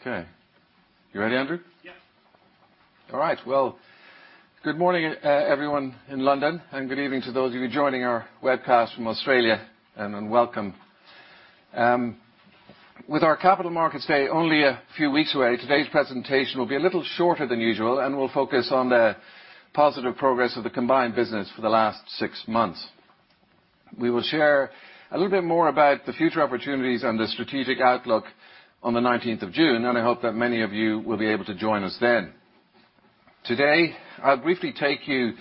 Okay. You ready, Andrew? Yes. All right. Well, good morning everyone in London, and good evening to those of you joining our webcast from Australia, and welcome. With our Capital Markets Day only a few weeks away, today's presentation will be a little shorter than usual, and will focus on the positive progress of the combined business for the last six months. We will share a little bit more about the future opportunities and the strategic outlook on the 19th of June. I hope that many of you will be able to join us then. Today, I'll briefly take you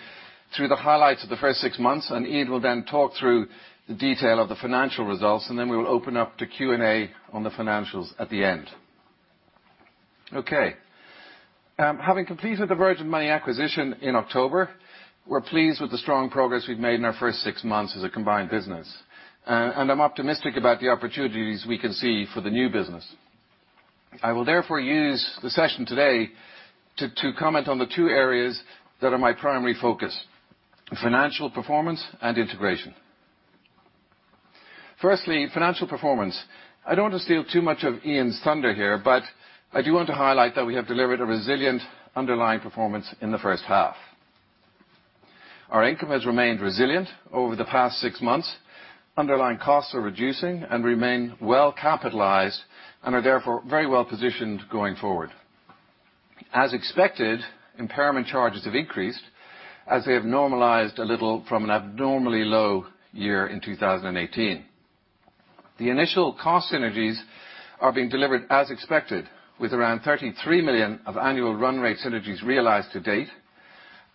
through the highlights of the first six months. Ian will then talk through the detail of the financial results. We will open up to Q&A on the financials at the end. Okay. Having completed the Virgin Money acquisition in October, we're pleased with the strong progress we've made in our first six months as a combined business. I'm optimistic about the opportunities we can see for the new business. I will therefore use the session today to comment on the two areas that are my primary focus, financial performance and integration. Firstly, financial performance. I don't want to steal too much of Ian's thunder here, but I do want to highlight that we have delivered a resilient underlying performance in the first half. Our income has remained resilient over the past six months. Underlying costs are reducing and remain well capitalized, and are therefore very well positioned going forward. As expected, impairment charges have increased as they have normalized a little from an abnormally low year in 2018. The initial cost synergies are being delivered as expected, with around 33 million of annual run rate synergies realized to date.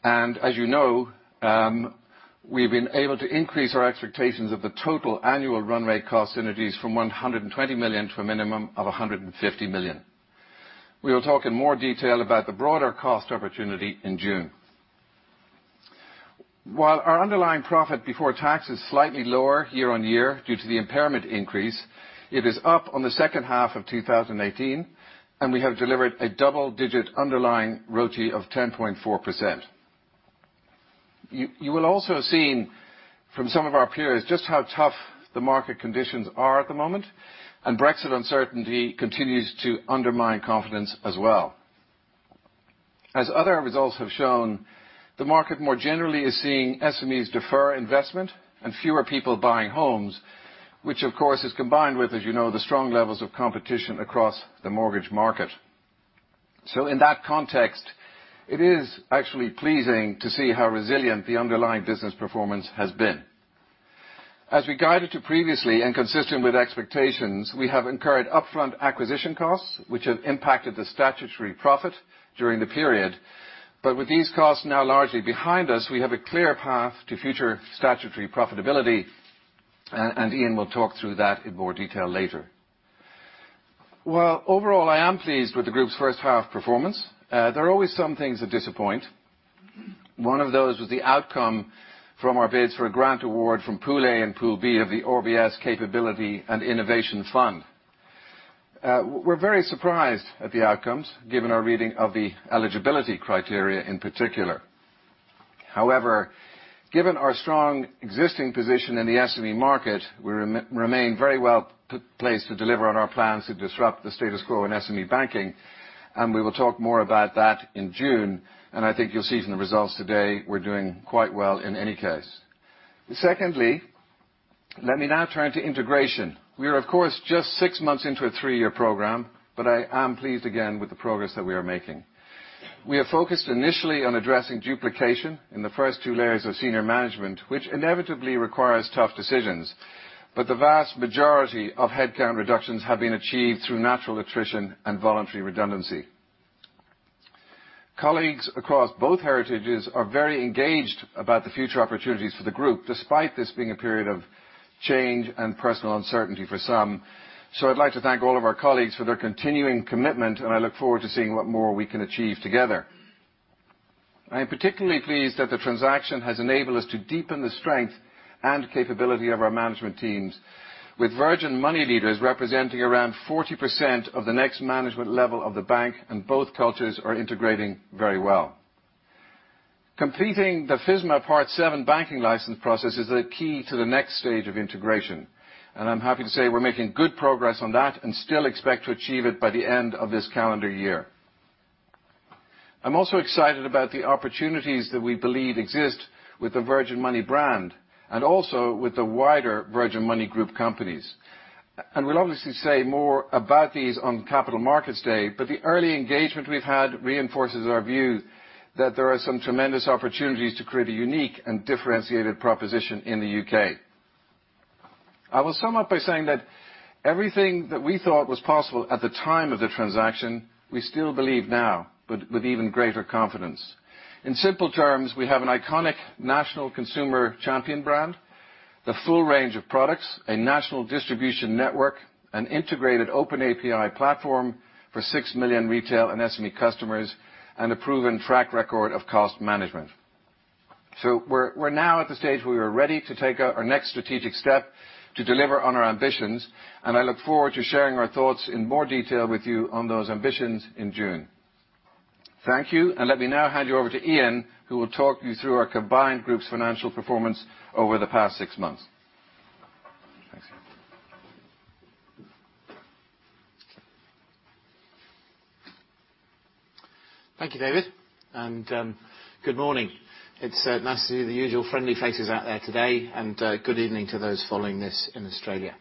As you know, we've been able to increase our expectations of the total annual run rate cost synergies from 120 million to a minimum of 150 million. We will talk in more detail about the broader cost opportunity in June. While our underlying profit before tax is slightly lower year-on-year due to the impairment increase, it is up on the second half of 2018. We have delivered a double-digit underlying ROTE of 10.4%. You will also have seen from some of our peers just how tough the market conditions are at the moment. Brexit uncertainty continues to undermine confidence as well. As other results have shown, the market more generally is seeing SMEs defer investment and fewer people buying homes, which of course is combined with, as you know, the strong levels of competition across the mortgage market. In that context, it is actually pleasing to see how resilient the underlying business performance has been. As we guided to previously, and consistent with expectations, we have incurred upfront acquisition costs, which have impacted the statutory profit during the period. With these costs now largely behind us, we have a clear path to future statutory profitability, and Ian will talk through that in more detail later. While overall I am pleased with the group's first half performance, there are always some things that disappoint. One of those was the outcome from our bids for a grant award from Pool A and Pool B of the RBS Capability and Innovation Fund. We are very surprised at the outcomes given our reading of the eligibility criteria in particular. However, given our strong existing position in the SME market, we remain very well placed to deliver on our plans to disrupt the status quo in SME banking, and we will talk more about that in June. I think you'll see from the results today we're doing quite well in any case. Secondly, let me now turn to integration. We are, of course, just six months into a three-year program, but I am pleased again with the progress that we are making. We are focused initially on addressing duplication in the first two layers of senior management, which inevitably requires tough decisions, but the vast majority of headcount reductions have been achieved through natural attrition and voluntary redundancy. Colleagues across both heritages are very engaged about the future opportunities for the group, despite this being a period of change and personal uncertainty for some. I'd like to thank all of our colleagues for their continuing commitment, and I look forward to seeing what more we can achieve together. I am particularly pleased that the transaction has enabled us to deepen the strength and capability of our management teams, with Virgin Money leaders representing around 40% of the next management level of the bank, and both cultures are integrating very well. Completing the FSMA Part VII banking license process is a key to the next stage of integration. I'm happy to say we're making good progress on that and still expect to achieve it by the end of this calendar year. I'm also excited about the opportunities that we believe exist with the Virgin Money brand, and also with the wider Virgin Money Group companies. We'll obviously say more about these on Capital Markets Day, but the early engagement we've had reinforces our view that there are some tremendous opportunities to create a unique and differentiated proposition in the U.K. I will sum up by saying that everything that we thought was possible at the time of the transaction, we still believe now, but with even greater confidence. In simple terms, we have an iconic national consumer champion brand, the full range of products, a national distribution network, an integrated Open API platform for six million retail and SME customers, and a proven track record of cost management. We're now at the stage where we are ready to take our next strategic step to deliver on our ambitions, and I look forward to sharing our thoughts in more detail with you on those ambitions in June. Thank you. Let me now hand you over to Ian, who will talk you through our combined group's financial performance over the past six months. Thanks. Thank you, David. Good morning. It's nice to see the usual friendly faces out there today, and good evening to those following this in Australia.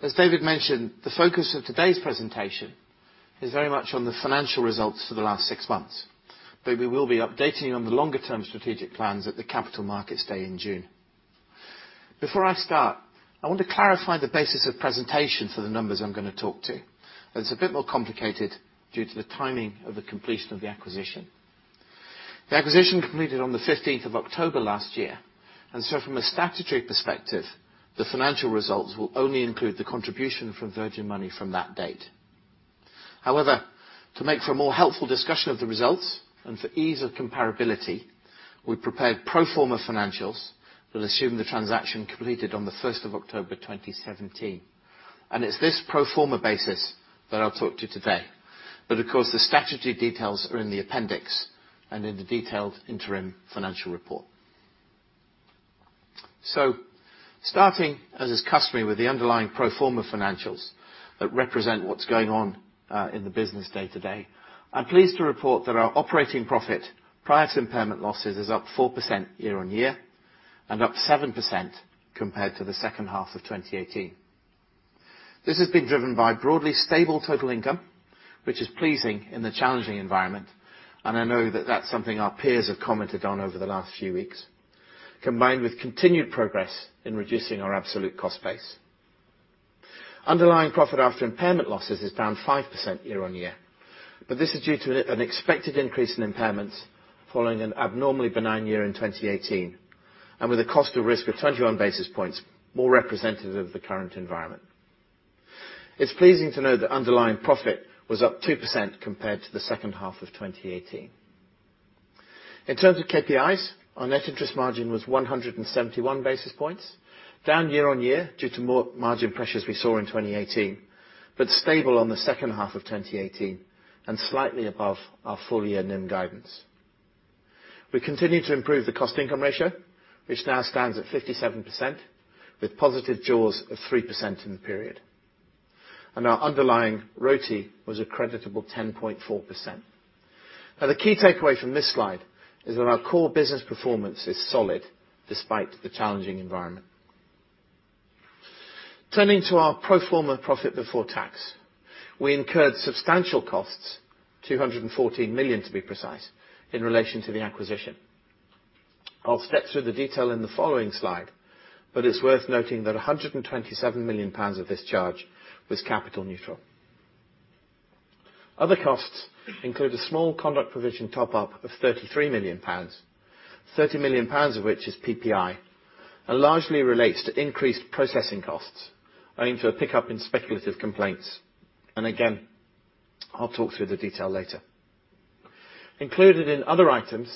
As David mentioned, the focus of today's presentation is very much on the financial results for the last six months, but we will be updating you on the longer term strategic plans at the Capital Markets Day in June. Before I start, I want to clarify the basis of presentation for the numbers I'm going to talk to. It's a bit more complicated due to the timing of the completion of the acquisition. The acquisition completed on the 15th of October last year, from a statutory perspective, the financial results will only include the contribution from Virgin Money from that date. However, to make for a more helpful discussion of the results, and for ease of comparability, we prepared pro forma financials that assume the transaction completed on the 1st of October 2017. It's this pro forma basis that I'll talk to you today. Of course, the statutory details are in the appendix and in the detailed interim financial report. Starting, as is customary, with the underlying pro forma financials that represent what's going on in the business day-to-day. I'm pleased to report that our operating profit, prior to impairment losses, is up 4% year-on-year, and up 7% compared to the second half of 2018. This has been driven by broadly stable total income, which is pleasing in the challenging environment, I know that that's something our peers have commented on over the last few weeks, combined with continued progress in reducing our absolute cost base. Underlying profit after impairment losses is down 5% year-on-year, this is due to an expected increase in impairments following an abnormally benign year in 2018, and with a cost of risk of 21 basis points more representative of the current environment. It's pleasing to know that underlying profit was up 2% compared to the second half of 2018. In terms of KPIs, our net interest margin was 171 basis points, down year-on-year due to more margin pressures we saw in 2018, but stable on the second half of 2018 and slightly above our full year NIM guidance. We continued to improve the cost-income ratio, which now stands at 57%, with positive jaws of 3% in the period. Our underlying ROTE was a creditable 10.4%. The key takeaway from this slide is that our core business performance is solid despite the challenging environment. Turning to our pro forma profit before tax. We incurred substantial costs, 214 million to be precise, in relation to the acquisition. I'll step through the detail in the following slide, but it's worth noting that 127 million pounds of this charge was capital neutral. Other costs include a small conduct provision top-up of 33 million pounds, 30 million pounds of which is PPI, and largely relates to increased processing costs owing to a pickup in speculative complaints. Again, I'll talk through the detail later. Included in other items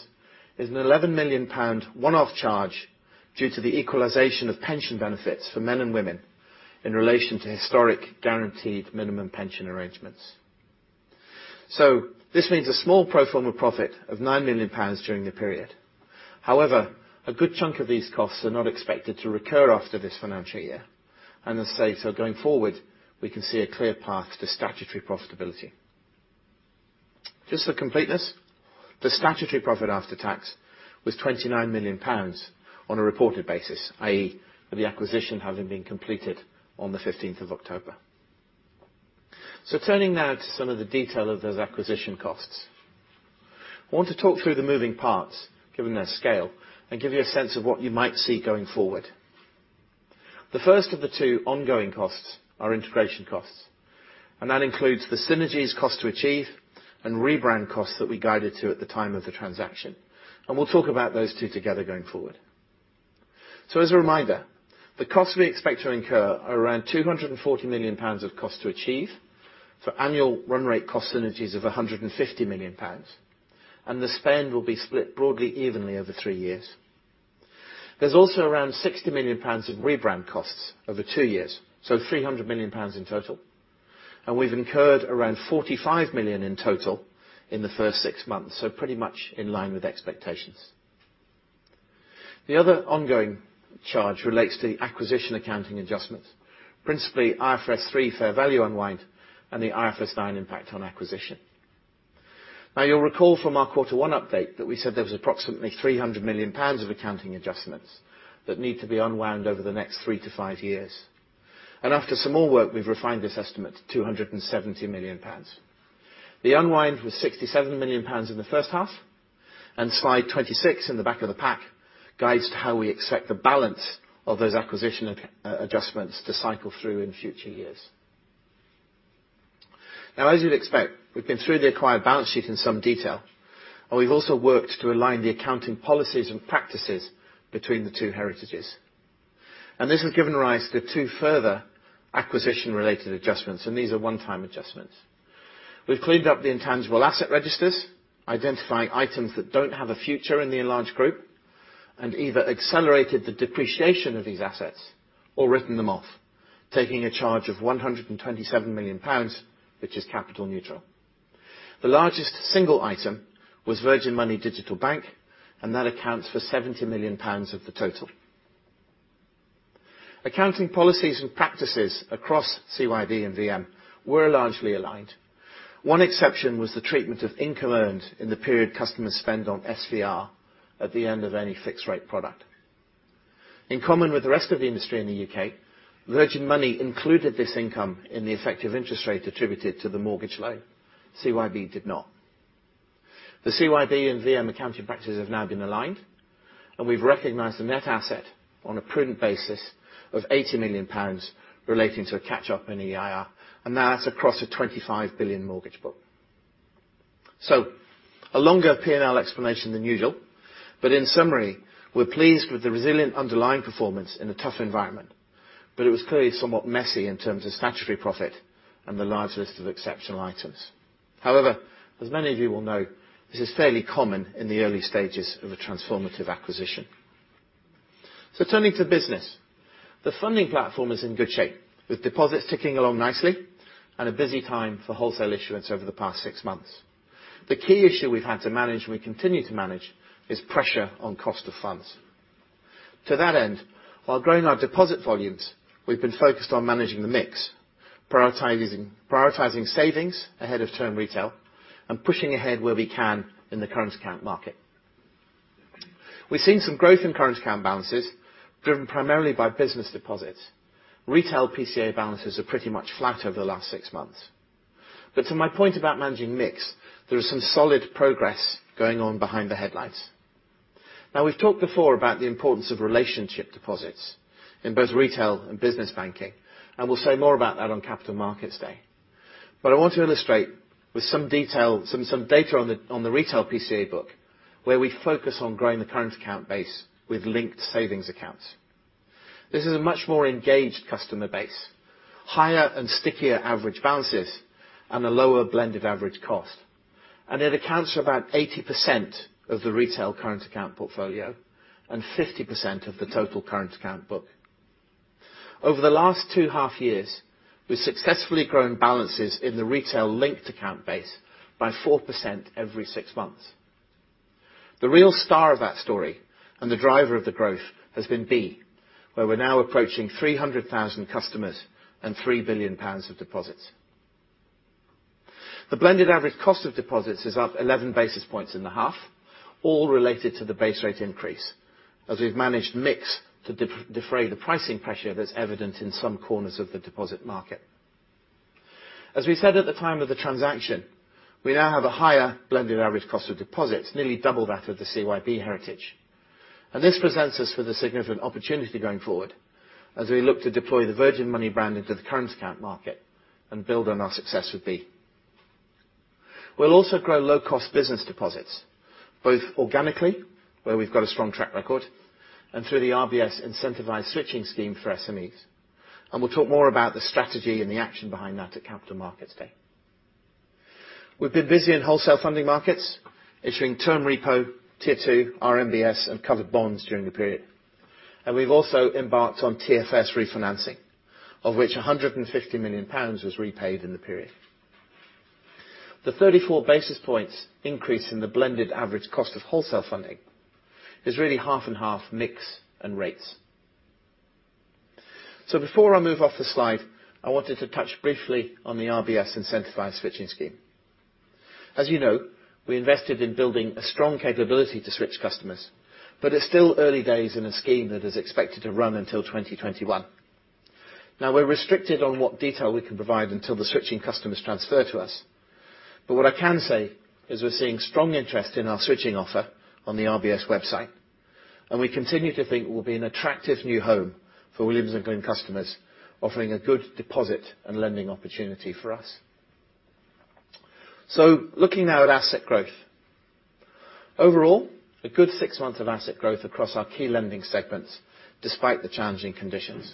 is an 11 million pound one-off charge due to the equalization of pension benefits for men and women in relation to historic guaranteed minimum pension arrangements. This means a small pro forma profit of 9 million pounds during the period. However, a good chunk of these costs are not expected to recur after this financial year. As I say, going forward, we can see a clear path to statutory profitability. Just for completeness, the statutory profit after tax was 29 million pounds on a reported basis, i.e., with the acquisition having been completed on the 15th of October. Turning now to some of the detail of those acquisition costs. I want to talk through the moving parts, given their scale, and give you a sense of what you might see going forward. The first of the two ongoing costs are integration costs, that includes the synergies cost to achieve and rebrand costs that we guided to at the time of the transaction. We'll talk about those two together going forward. As a reminder, the costs we expect to incur are around 240 million pounds of cost to achieve, for annual run rate cost synergies of 150 million pounds. The spend will be split broadly evenly over 3 years. There's also around 60 million pounds of rebrand costs over 2 years, so 300 million pounds in total. We've incurred around 45 million in total in the first 6 months, so pretty much in line with expectations. The other ongoing charge relates to the acquisition accounting adjustments, principally IFRS 3 fair value unwind and the IFRS 9 impact on acquisition. You'll recall from our quarter one update that we said there was approximately 300 million pounds of accounting adjustments that need to be unwound over the next 3-5 years. After some more work, we've refined this estimate to 270 million pounds. The unwind was 67 million pounds in the first half, and slide 26 in the back of the pack guides to how we accept the balance of those acquisition adjustments to cycle through in future years. As you'd expect, we've been through the acquired balance sheet in some detail, we've also worked to align the accounting policies and practices between the two heritages. This has given rise to two further acquisition-related adjustments, and these are one-time adjustments. We've cleaned up the intangible asset registers, identifying items that don't have a future in the enlarged group. Either accelerated the depreciation of these assets or written them off, taking a charge of 127 million pounds, which is capital neutral. The largest single item was Virgin Money Digital Bank, and that accounts for 70 million pounds of the total. Accounting policies and practices across CYB and VM were largely aligned. One exception was the treatment of income earned in the period customers spend on SVR at the end of any fixed rate product. In common with the rest of the industry in the U.K., Virgin Money included this income in the effective interest rate attributed to the mortgage loan. CYB did not. The CYB and VM accounting practices have now been aligned, and we've recognized the net asset on a prudent basis of 80 million pounds relating to a catch-up in EIR, and that's across a 25 billion mortgage book. A longer P&L explanation than usual, but in summary, we're pleased with the resilient underlying performance in a tough environment. It was clearly somewhat messy in terms of statutory profit and the large list of exceptional items. However, as many of you will know, this is fairly common in the early stages of a transformative acquisition. Turning to business, the funding platform is in good shape, with deposits ticking along nicely and a busy time for wholesale issuance over the past six months. The key issue we've had to manage, and we continue to manage, is pressure on cost of funds. To that end, while growing our deposit volumes, we've been focused on managing the mix, prioritizing savings ahead of term retail, and pushing ahead where we can in the current account market. We've seen some growth in current account balances, driven primarily by business deposits. Retail PCA balances are pretty much flat over the last six months. To my point about managing mix, there is some solid progress going on behind the headlines. We've talked before about the importance of relationship deposits in both retail and business banking, and we'll say more about that on Capital Markets Day. I want to illustrate with some data on the retail PCA book, where we focus on growing the current account base with linked savings accounts. This is a much more engaged customer base, higher and stickier average balances, and a lower blend of average cost. It accounts for about 80% of the retail current account portfolio and 50% of the total current account book. Over the last two half years, we've successfully grown balances in the retail linked account base by 4% every six months. The real star of that story and the driver of the growth has been B, where we're now approaching 300,000 customers and 3 billion pounds of deposits. The blended average cost of deposits is up 11 basis points in the half, all related to the base rate increase, as we've managed mix to defray the pricing pressure that's evident in some corners of the deposit market. As we said at the time of the transaction, we now have a higher blended average cost of deposits, nearly double that of the CYB heritage. This presents us with a significant opportunity going forward as we look to deploy the Virgin Money brand into the current account market and build on our success with B. We'll also grow low cost business deposits, both organically, where we've got a strong track record, and through the RBS incentivised switching scheme for SMEs. We'll talk more about the strategy and the action behind that at Capital Markets Day. We've been busy in wholesale funding markets, issuing term repo, Tier 2, RMBS, and covered bonds during the period. We've also embarked on TFS refinancing, of which 150 million pounds was repaid in the period. The 34 basis points increase in the blended average cost of wholesale funding is really half and half mix and rates. Before I move off the slide, I wanted to touch briefly on the RBS incentivised switching scheme. As you know, we invested in building a strong capability to switch customers, but it's still early days in a scheme that is expected to run until 2021. We're restricted on what detail we can provide until the switching customers transfer to us. What I can say is we're seeing strong interest in our switching offer on the RBS website, and we continue to think we'll be an attractive new home for Williams & Glyn customers, offering a good deposit and lending opportunity for us. Looking now at asset growth. Overall, a good six months of asset growth across our key lending segments, despite the challenging conditions.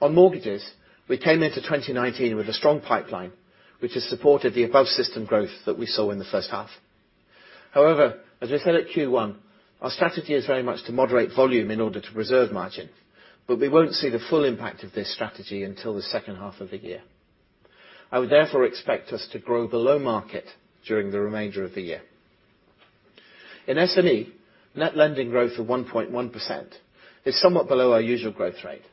On mortgages, we came into 2019 with a strong pipeline, which has supported the above system growth that we saw in the first half. As we said at Q1, our strategy is very much to moderate volume in order to preserve margin, we won't see the full impact of this strategy until the second half of the year. I would therefore expect us to grow below market during the remainder of the year. In SME, net lending growth of 1.1% is somewhat below our usual growth rate.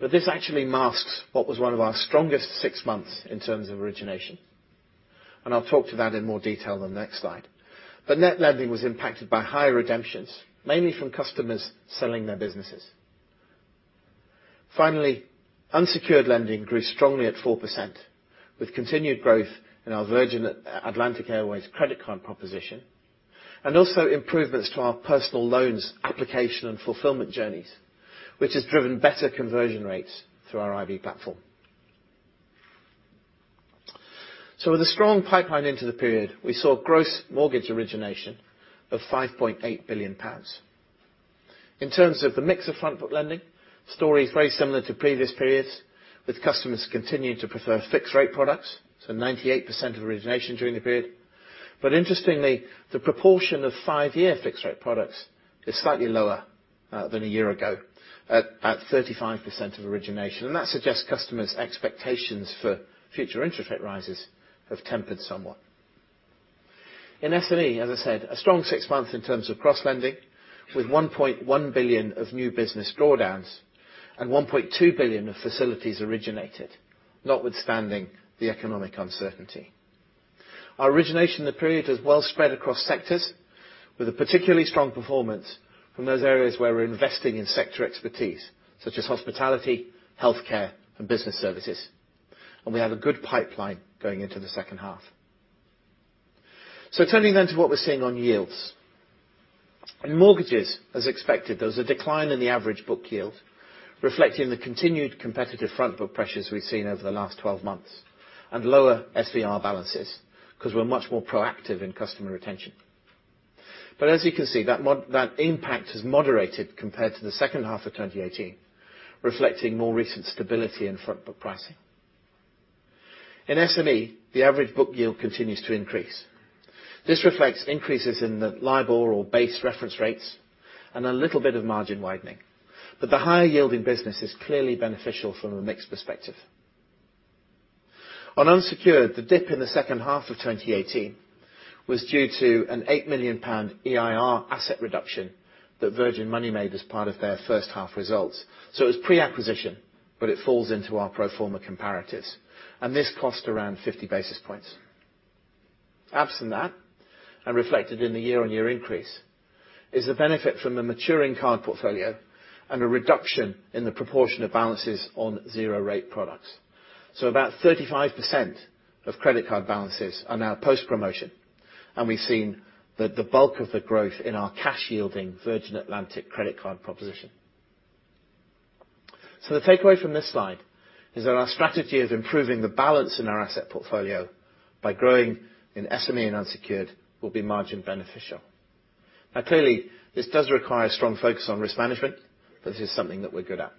This actually masks what was one of our strongest six months in terms of origination. I'll talk to that in more detail on the next slide. Net lending was impacted by higher redemptions, mainly from customers selling their businesses. Finally, unsecured lending grew strongly at 4%, with continued growth in our Virgin Atlantic Airways credit card proposition, and also improvements to our personal loans application and fulfillment journeys, which has driven better conversion rates through our [IVY platform]. With a strong pipeline into the period, we saw gross mortgage origination of 5.8 billion pounds. In terms of the mix of front-book lending, story is very similar to previous periods, with customers continuing to prefer fixed rate products, so 98% of origination during the period. Interestingly, the proportion of five-year fixed rate products is slightly lower than a year ago, at 35% of origination. That suggests customers' expectations for future interest rate rises have tempered somewhat. In SME, as I said, a strong six months in terms of cross-lending, with 1.1 billion of new business drawdowns and 1.2 billion of facilities originated, notwithstanding the economic uncertainty. Our origination in the period is well spread across sectors, with a particularly strong performance from those areas where we're investing in sector expertise such as hospitality, healthcare and business services, and we have a good pipeline going into the second half. Turning then to what we're seeing on yields. In mortgages, as expected, there was a decline in the average book yield, reflecting the continued competitive front book pressures we've seen over the last 12 months, and lower SVR balances, because we're much more proactive in customer retention. As you can see, that impact has moderated compared to the second half of 2018, reflecting more recent stability in front book pricing. In SME, the average book yield continues to increase. This reflects increases in the LIBOR or base reference rates and a little bit of margin widening. The higher yielding business is clearly beneficial from a mix perspective. On unsecured, the dip in the second half of 2018 was due to a 8 million pound EIR asset reduction that Virgin Money made as part of their first half results. It was pre-acquisition, but it falls into our pro forma comparatives, and this cost around 50 basis points. Absent that, and reflected in the year-on-year increase, is the benefit from a maturing card portfolio and a reduction in the proportion of balances on zero rate products. About 35% of credit card balances are now post-promotion, and we've seen the bulk of the growth in our cash-yielding Virgin Atlantic credit card proposition. The takeaway from this slide is that our strategy of improving the balance in our asset portfolio by growing in SME and unsecured will be margin beneficial. Clearly, this does require strong focus on risk management. This is something that we're good at.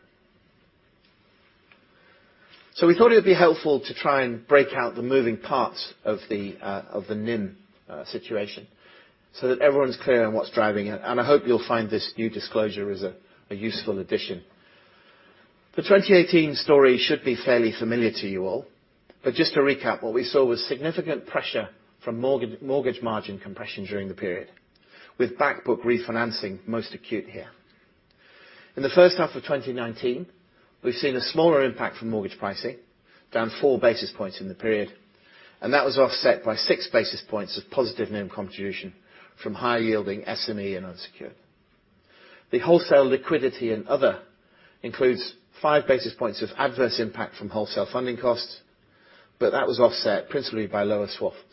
We thought it would be helpful to try and break out the moving parts of the NIM situation so that everyone's clear on what's driving it, and I hope you'll find this new disclosure is a useful addition. The 2018 story should be fairly familiar to you all. Just to recap, what we saw was significant pressure from mortgage margin compression during the period, with back book refinancing most acute here. In the first half of 2019, we've seen a smaller impact from mortgage pricing, down four basis points in the period, and that was offset by six basis points of positive NIM contribution from higher yielding SME and unsecured. The wholesale liquidity and other includes five basis points of adverse impact from wholesale funding costs, that was offset principally by lower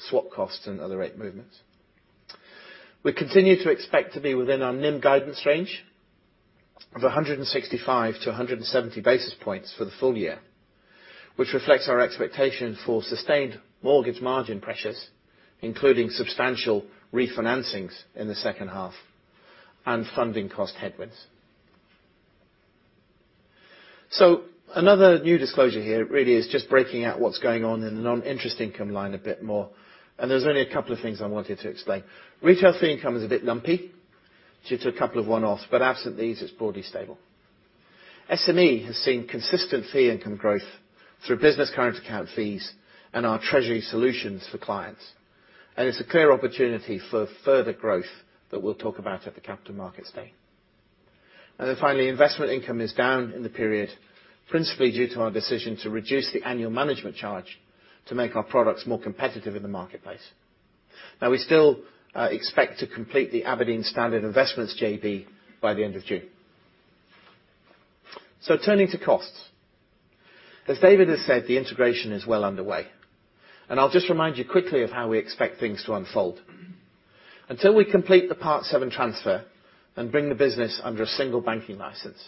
swap costs and other rate movements. We continue to expect to be within our NIM guidance range of 165-170 basis points for the full year, which reflects our expectation for sustained mortgage margin pressures, including substantial refinancings in the second half and funding cost headwinds. Another new disclosure here really is just breaking out what's going on in the non-interest income line a bit more, and there's only a couple of things I wanted to explain. Retail fee income is a bit lumpy due to a couple of one-offs, absent these, it's broadly stable. SME has seen consistent fee income growth through business current account fees and our treasury solutions for clients. It's a clear opportunity for further growth that we'll talk about at the Capital Markets Day. Finally, investment income is down in the period, principally due to our decision to reduce the annual management charge to make our products more competitive in the marketplace. We still expect to complete the Aberdeen Standard Investments JV by the end of June. Turning to costs. As David has said, the integration is well underway, and I'll just remind you quickly of how we expect things to unfold. Until we complete the Part VII transfer and bring the business under a single banking license,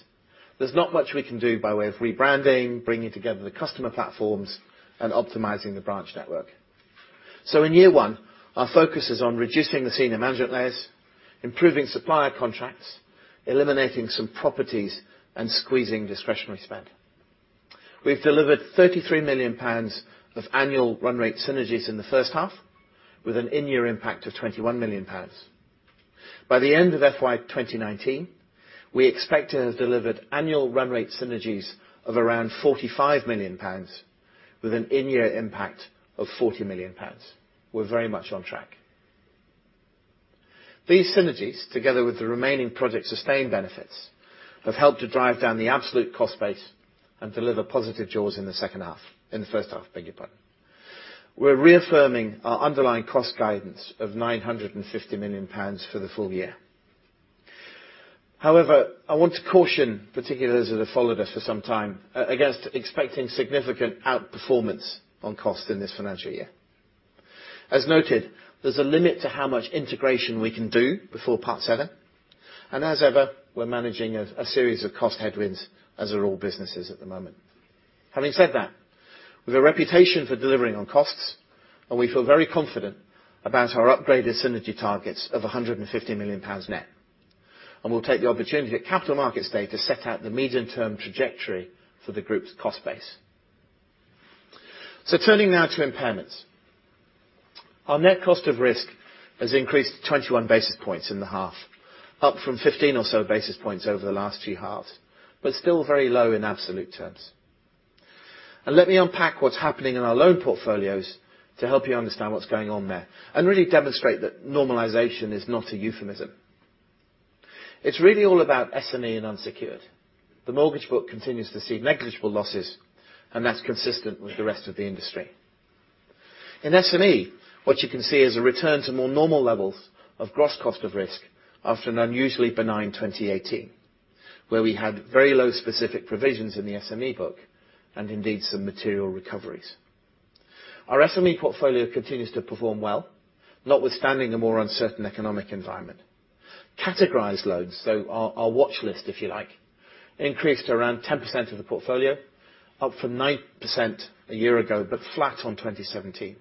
there's not much we can do by way of rebranding, bringing together the customer platforms and optimizing the branch network. In year one, our focus is on reducing the senior management layers, improving supplier contracts, eliminating some properties, and squeezing discretionary spend. We've delivered 33 million pounds of annual run rate synergies in the first half with an in-year impact of 21 million pounds. By the end of FY 2019, we expect to have delivered annual run rate synergies of around 45 million pounds with an in-year impact of 40 million pounds. We're very much on track. These synergies, together with the remaining Project Sustain benefits, have helped to drive down the absolute cost base and deliver positive jaws in the first half, beg your pardon. We're reaffirming our underlying cost guidance of 950 million pounds for the full year. However, I want to caution, particularly those that have followed us for some time, against expecting significant outperformance on cost in this financial year. As noted, there's a limit to how much integration we can do before Part VII, and as ever, we're managing a series of cost headwinds, as are all businesses at the moment. Having said that, we have a reputation for delivering on costs, and we feel very confident about our upgraded synergy targets of 150 million pounds net. We'll take the opportunity at Capital Markets Day to set out the medium-term trajectory for the group's cost base. Turning now to impairments. Our net cost of risk has increased 21 basis points in the half, up from 15 or so basis points over the last two halves, but still very low in absolute terms. Let me unpack what's happening in our loan portfolios to help you understand what's going on there, and really demonstrate that normalization is not a euphemism. It's really all about SME and unsecured. The mortgage book continues to see negligible losses. That's consistent with the rest of the industry. In SME, what you can see is a return to more normal levels of gross cost of risk after an unusually benign 2018, where we had very low specific provisions in the SME book, and indeed, some material recoveries. Our SME portfolio continues to perform well, notwithstanding a more uncertain economic environment. Categorized loans, so our watch list, if you like, increased to around 10% of the portfolio, up from 9% a year ago, but flat on 2017.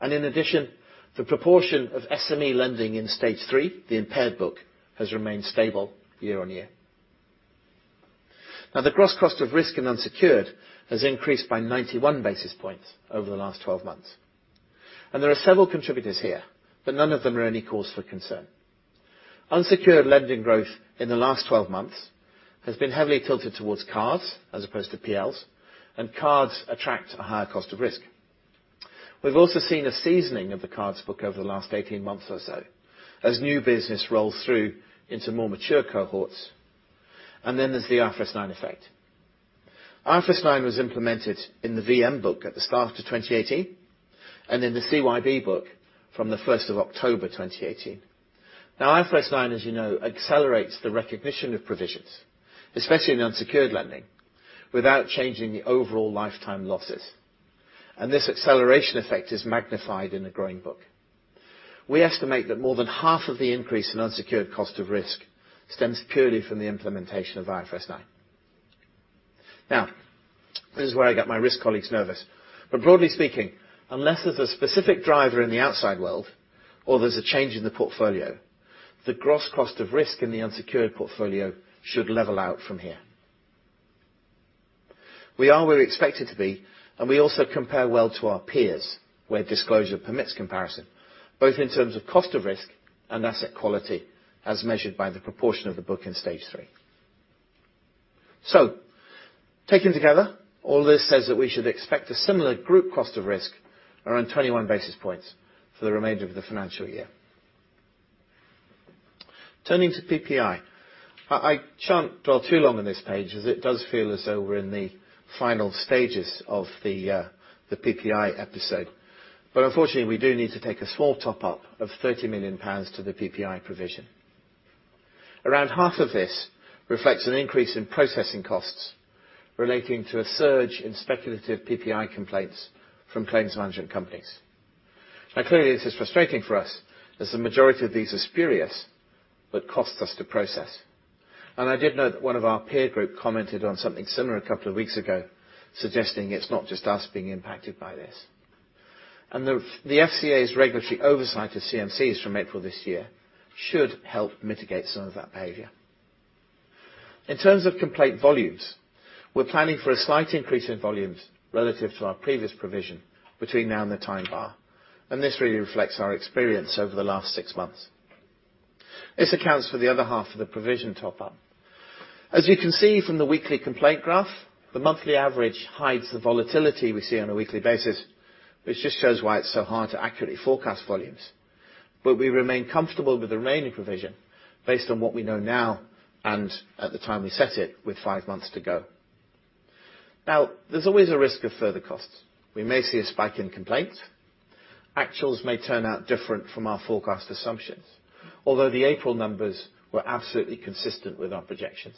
In addition, the proportion of SME lending in stage 3, the impaired book, has remained stable year on year. Now the gross cost of risk in unsecured has increased by 91 basis points over the last 12 months. There are several contributors here, but none of them are any cause for concern. Unsecured lending growth in the last 12 months has been heavily tilted towards cards as opposed to PLs, and cards attract a higher cost of risk. We've also seen a seasoning of the cards book over the last 18 months or so as new business rolls through into more mature cohorts. Then there's the IFRS 9 effect. IFRS 9 was implemented in the VM book at the start of 2018, and in the CYB book from the 1st of October 2018. IFRS 9, as you know, accelerates the recognition of provisions, especially in unsecured lending, without changing the overall lifetime losses. This acceleration effect is magnified in a growing book. We estimate that more than half of the increase in unsecured cost of risk stems purely from the implementation of IFRS 9. This is where I get my risk colleagues nervous. Broadly speaking, unless there's a specific driver in the outside world or there's a change in the portfolio, the gross cost of risk in the unsecured portfolio should level out from here. We are where we're expected to be, and we also compare well to our peers, where disclosure permits comparison, both in terms of cost of risk and asset quality, as measured by the proportion of the book in stage 3. Taken together, all this says that we should expect a similar group cost of risk around 21 basis points for the remainder of the financial year. Turning to PPI. I can't dwell too long on this page as it does feel as though we're in the final stages of the PPI episode. Unfortunately, we do need to take a small top-up of 30 million pounds to the PPI provision. Around half of this reflects an increase in processing costs relating to a surge in speculative PPI complaints from Claims Management Companies. Clearly, this is frustrating for us as the majority of these are spurious but cost us to process. I did note that one of our peer group commented on something similar a couple of weeks ago suggesting it's not just us being impacted by this. The FCA's regulatory oversight of CMCs from April this year should help mitigate some of that behavior. In terms of complaint volumes, we're planning for a slight increase in volumes relative to our previous provision between now and the time bar, and this really reflects our experience over the last six months. This accounts for the other half of the provision top-up. As you can see from the weekly complaint graph, the monthly average hides the volatility we see on a weekly basis, which just shows why it's so hard to accurately forecast volumes. We remain comfortable with the remaining provision based on what we know now and at the time we set it with five months to go. There's always a risk of further costs. We may see a spike in complaints. Actuals may turn out different from our forecast assumptions. Although the April numbers were absolutely consistent with our projections.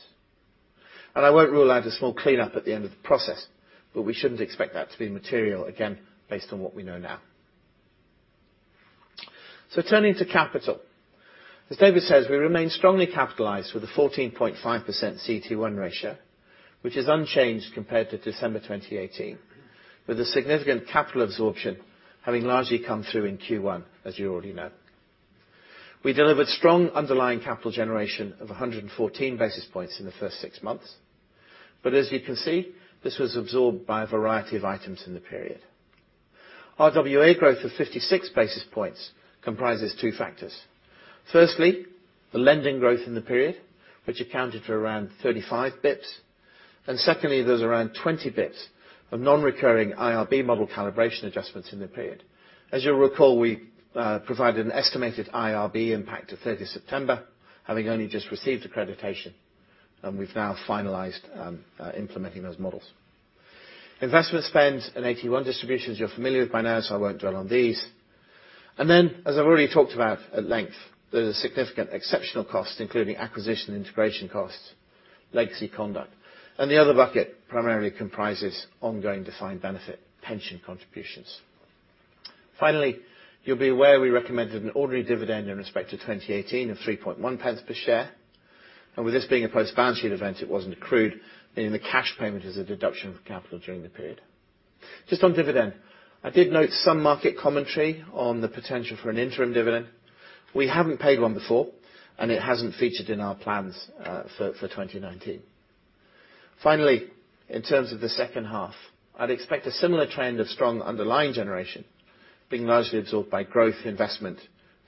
I won't rule out a small cleanup at the end of the process, but we shouldn't expect that to be material, again, based on what we know now. Turning to capital. As David says, we remain strongly capitalized with a 14.5% CET1 ratio, which is unchanged compared to December 2018, with a significant capital absorption having largely come through in Q1, as you already know. We delivered strong underlying capital generation of 114 basis points in the first six months. As you can see, this was absorbed by a variety of items in the period. RWA growth of 56 basis points comprises two factors. Firstly, the lending growth in the period, which accounted for around 35 basis points. Secondly, there's around 20 basis points of non-recurring IRB model calibration adjustments in the period. As you'll recall, we provided an estimated IRB impact of 30 September, having only just received accreditation, and we've now finalized implementing those models. Investment spend and AT1 distributions you're familiar with by now, I won't dwell on these. As I've already talked about at length, there is a significant exceptional cost, including acquisition integration costs, legacy conduct. The other bucket primarily comprises ongoing defined benefit pension contributions. You'll be aware we recommended an ordinary dividend in respect to 2018 of 0.031 per share. With this being a post-balance sheet event, it wasn't accrued, meaning the cash payment is a deduction of capital during the period. Just on dividend, I did note some market commentary on the potential for an interim dividend. We haven't paid one before, and it hasn't featured in our plans for 2019. In terms of the second half, I'd expect a similar trend of strong underlying generation being largely absorbed by growth investment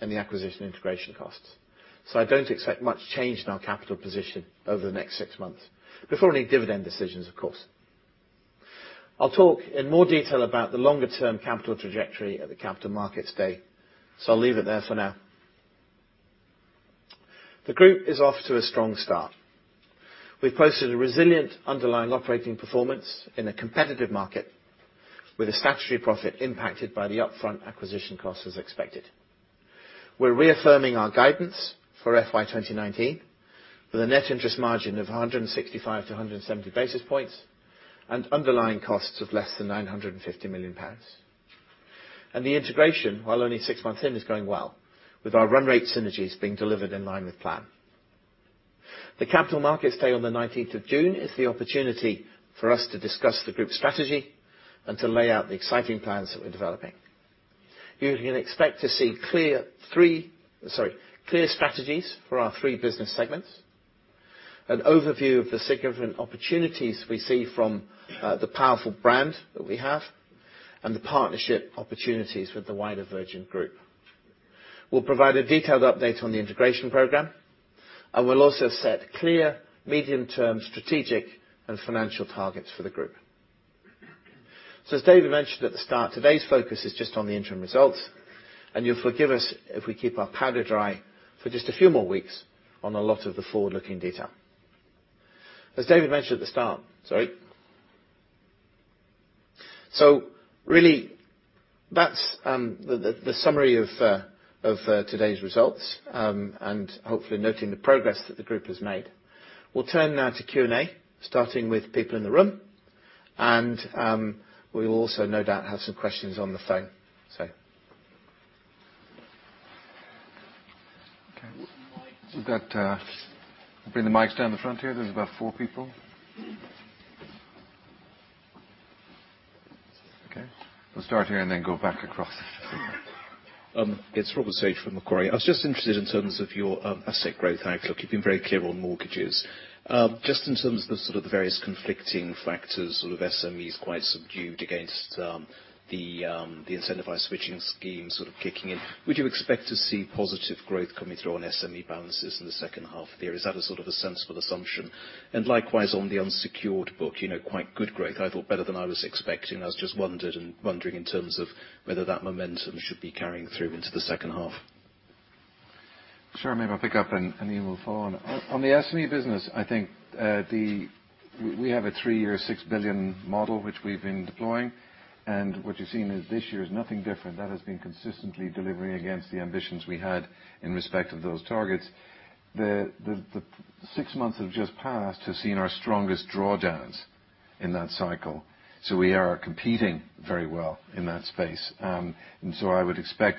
and the acquisition integration costs. I don't expect much change in our capital position over the next six months before any dividend decisions, of course. I'll talk in more detail about the longer term capital trajectory at the Capital Markets Day, I'll leave it there for now. The group is off to a strong start. We've posted a resilient underlying operating performance in a competitive market with a statutory profit impacted by the upfront acquisition costs as expected. We're reaffirming our guidance for FY 2019 with a net interest margin of 165-170 basis points and underlying costs of less than 950 million pounds. The integration, while only six months in, is going well with our run rate synergies being delivered in line with plan. The Capital Markets Day on the 19th of June is the opportunity for us to discuss the group strategy and to lay out the exciting plans that we're developing. You can expect to see clear strategies for our three business segments, an overview of the significant opportunities we see from the powerful brand that we have, and the partnership opportunities with the wider Virgin Group. We'll provide a detailed update on the integration program, we'll also set clear medium-term strategic and financial targets for the group. As David mentioned at the start, today's focus is just on the interim results, you'll forgive us if we keep our powder dry for just a few more weeks on a lot of the forward-looking detail. Really that's the summary of today's results, hopefully noting the progress that the group has made. We'll turn now to Q&A starting with people in the room, we will also no doubt have some questions on the phone. Okay. We'll bring the mics down the front here. There's about four people. Okay. We'll start here then go back across. It's Robert Sage from Macquarie. I was just interested in terms of your asset growth outlook. You've been very clear on mortgages. Just in terms of sort of the various conflicting factors, sort of SMEs quite subdued against the incentivized switching scheme sort of kicking in. Would you expect to see positive growth coming through on SME balances in the second half there? Is that a sort of a sensible assumption? Likewise, on the unsecured book, quite good growth, I thought better than I was expecting. I was just wondering in terms of whether that momentum should be carrying through into the second half. Sure. Maybe I'll pick up, Ian will follow on. On the SME business, I think we have a three-year, 6 billion model, which we've been deploying. What you're seeing is this year is nothing different. That has been consistently delivering against the ambitions we had in respect of those targets. The six months that have just passed have seen our strongest drawdowns in that cycle. We are competing very well in that space. I would expect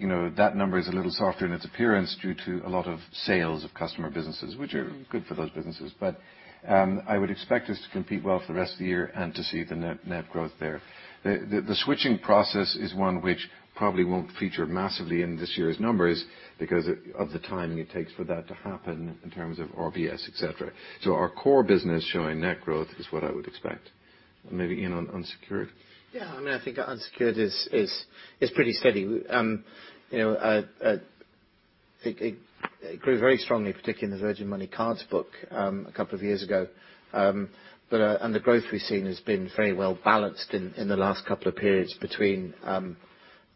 that number is a little softer in its appearance due to a lot of sales of customer businesses, which are good for those businesses. I would expect us to compete well for the rest of the year and to see the net growth there. The switching process is one which probably won't feature massively in this year's numbers because of the timing it takes for that to happen in terms of RBS, et cetera. Our core business showing net growth is what I would expect. Maybe Ian on unsecured. Yeah. I think unsecured is pretty steady. It grew very strongly, particularly in the Virgin Money cards book, a couple of years ago. The growth we've seen has been very well balanced in the last couple of periods between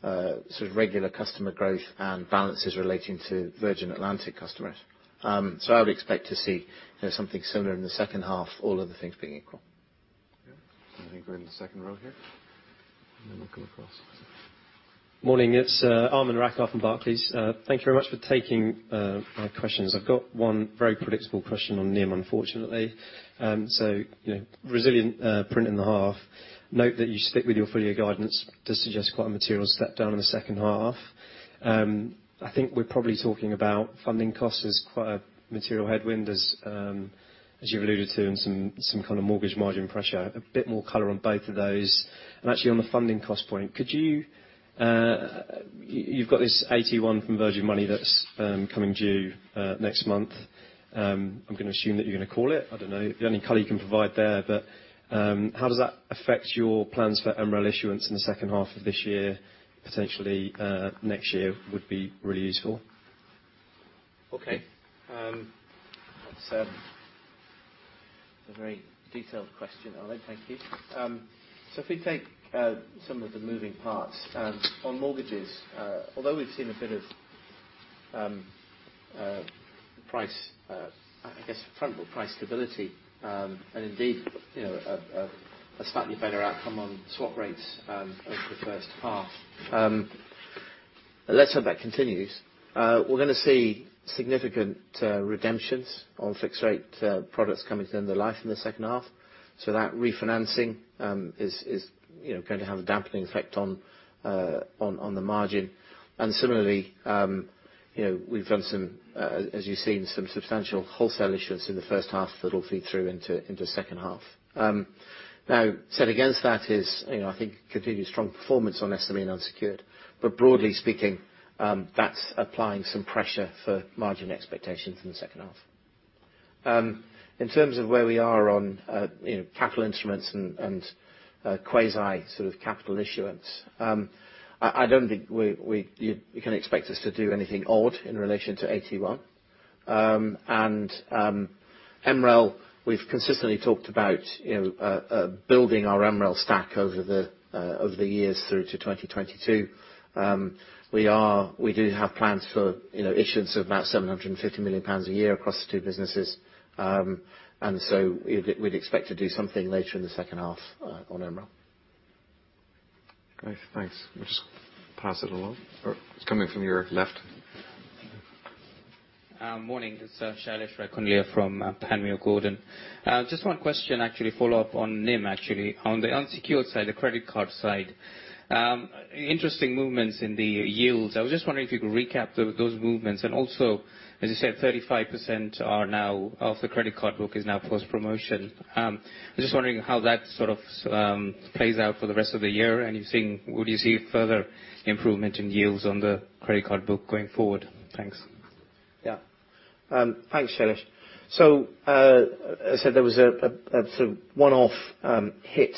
sort of regular customer growth and balances relating to Virgin Atlantic customers. I would expect to see something similar in the second half, all other things being equal. Okay. I think we're in the second row here. Then we'll come across. Morning. It's Aman Rakkar from Barclays. Thank you very much for taking our questions. I've got one very predictable question on NIM, unfortunately. Resilient print in the half. Note that you stick with your full year guidance. Does suggest quite a material step down in the second half. I think we're probably talking about funding costs as quite a material headwind as you've alluded to in some kind of mortgage margin pressure. A bit more color on both of those. Actually on the funding cost point, you've got this AT1 from Virgin Money that's coming due next month. I'm going to assume that you're going to call it. I don't know the only color you can provide there. How does that affect your plans for MREL issuance in the second half of this year? Potentially next year would be really useful. Okay. That's a very detailed question, Aman. Thank you. If we take some of the moving parts. On mortgages, although we've seen a bit of front price stability, and indeed a slightly better outcome on swap rates over the first half. Let's hope that continues. We're going to see significant redemptions on fixed rate products coming to the end of life in the second half. That refinancing is going to have a dampening effect on the margin. Similarly, we've done some, as you've seen, some substantial wholesale issuance in the first half that will feed through into the second half. Set against that is, I think continued strong performance on SME and unsecured. Broadly speaking, that's applying some pressure for margin expectations in the second half. In terms of where we are on capital instruments and quasi sort of capital issuance, I don't think you can expect us to do anything odd in relation to AT1. MREL, we've consistently talked about building our MREL stack over the years through to 2022. We do have plans for issuance of about 750 million pounds a year across the two businesses. We'd expect to do something later in the second half on MREL. Great. Thanks. We'll just pass it along, or it's coming from your left. Morning. It's Shailesh Raikundlia from Panmure Gordon. One question actually, follow up on NIM, actually. On the unsecured side, the credit card side, interesting movements in the yields. I was just wondering if you could recap those movements. Also, as you said, 35% of the credit card book is now post-promotion. I'm just wondering how that sort of plays out for the rest of the year, and would you see further improvement in yields on the credit card book going forward? Thanks. Thanks, Shailesh. As I said, there was a sort of one-off hit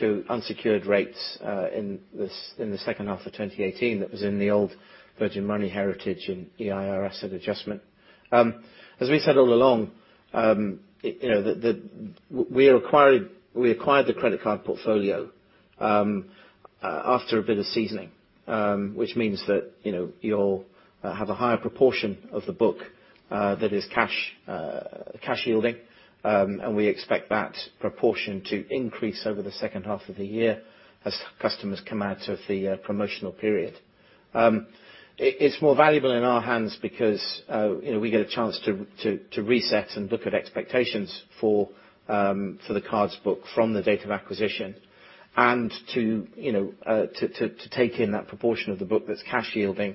to unsecured rates in the second half of 2018 that was in the old Virgin Money heritage in EIR asset adjustment. As we said all along, we acquired the credit card portfolio after a bit of seasoning, which means that you'll have a higher proportion of the book that is cash yielding. We expect that proportion to increase over the second half of the year as customers come out of the promotional period. It's more valuable in our hands because we get a chance to reset and look at expectations for the cards book from the date of acquisition and to take in that proportion of the book that's cash yielding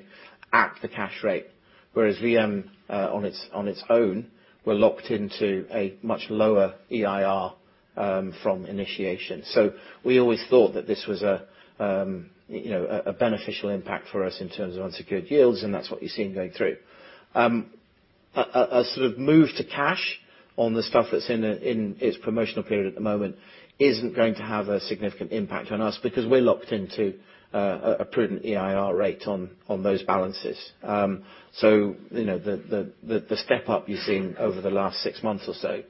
at the cash rate. Whereas VM, on its own, were locked into a much lower EIR from initiation. We always thought that this was a beneficial impact for us in terms of unsecured yields, and that's what you're seeing going through. A sort of move to cash on the stuff that's in its promotional period at the moment isn't going to have a significant impact on us because we're locked into a prudent EIR rate on those balances. The step up you've seen over the last six months or so,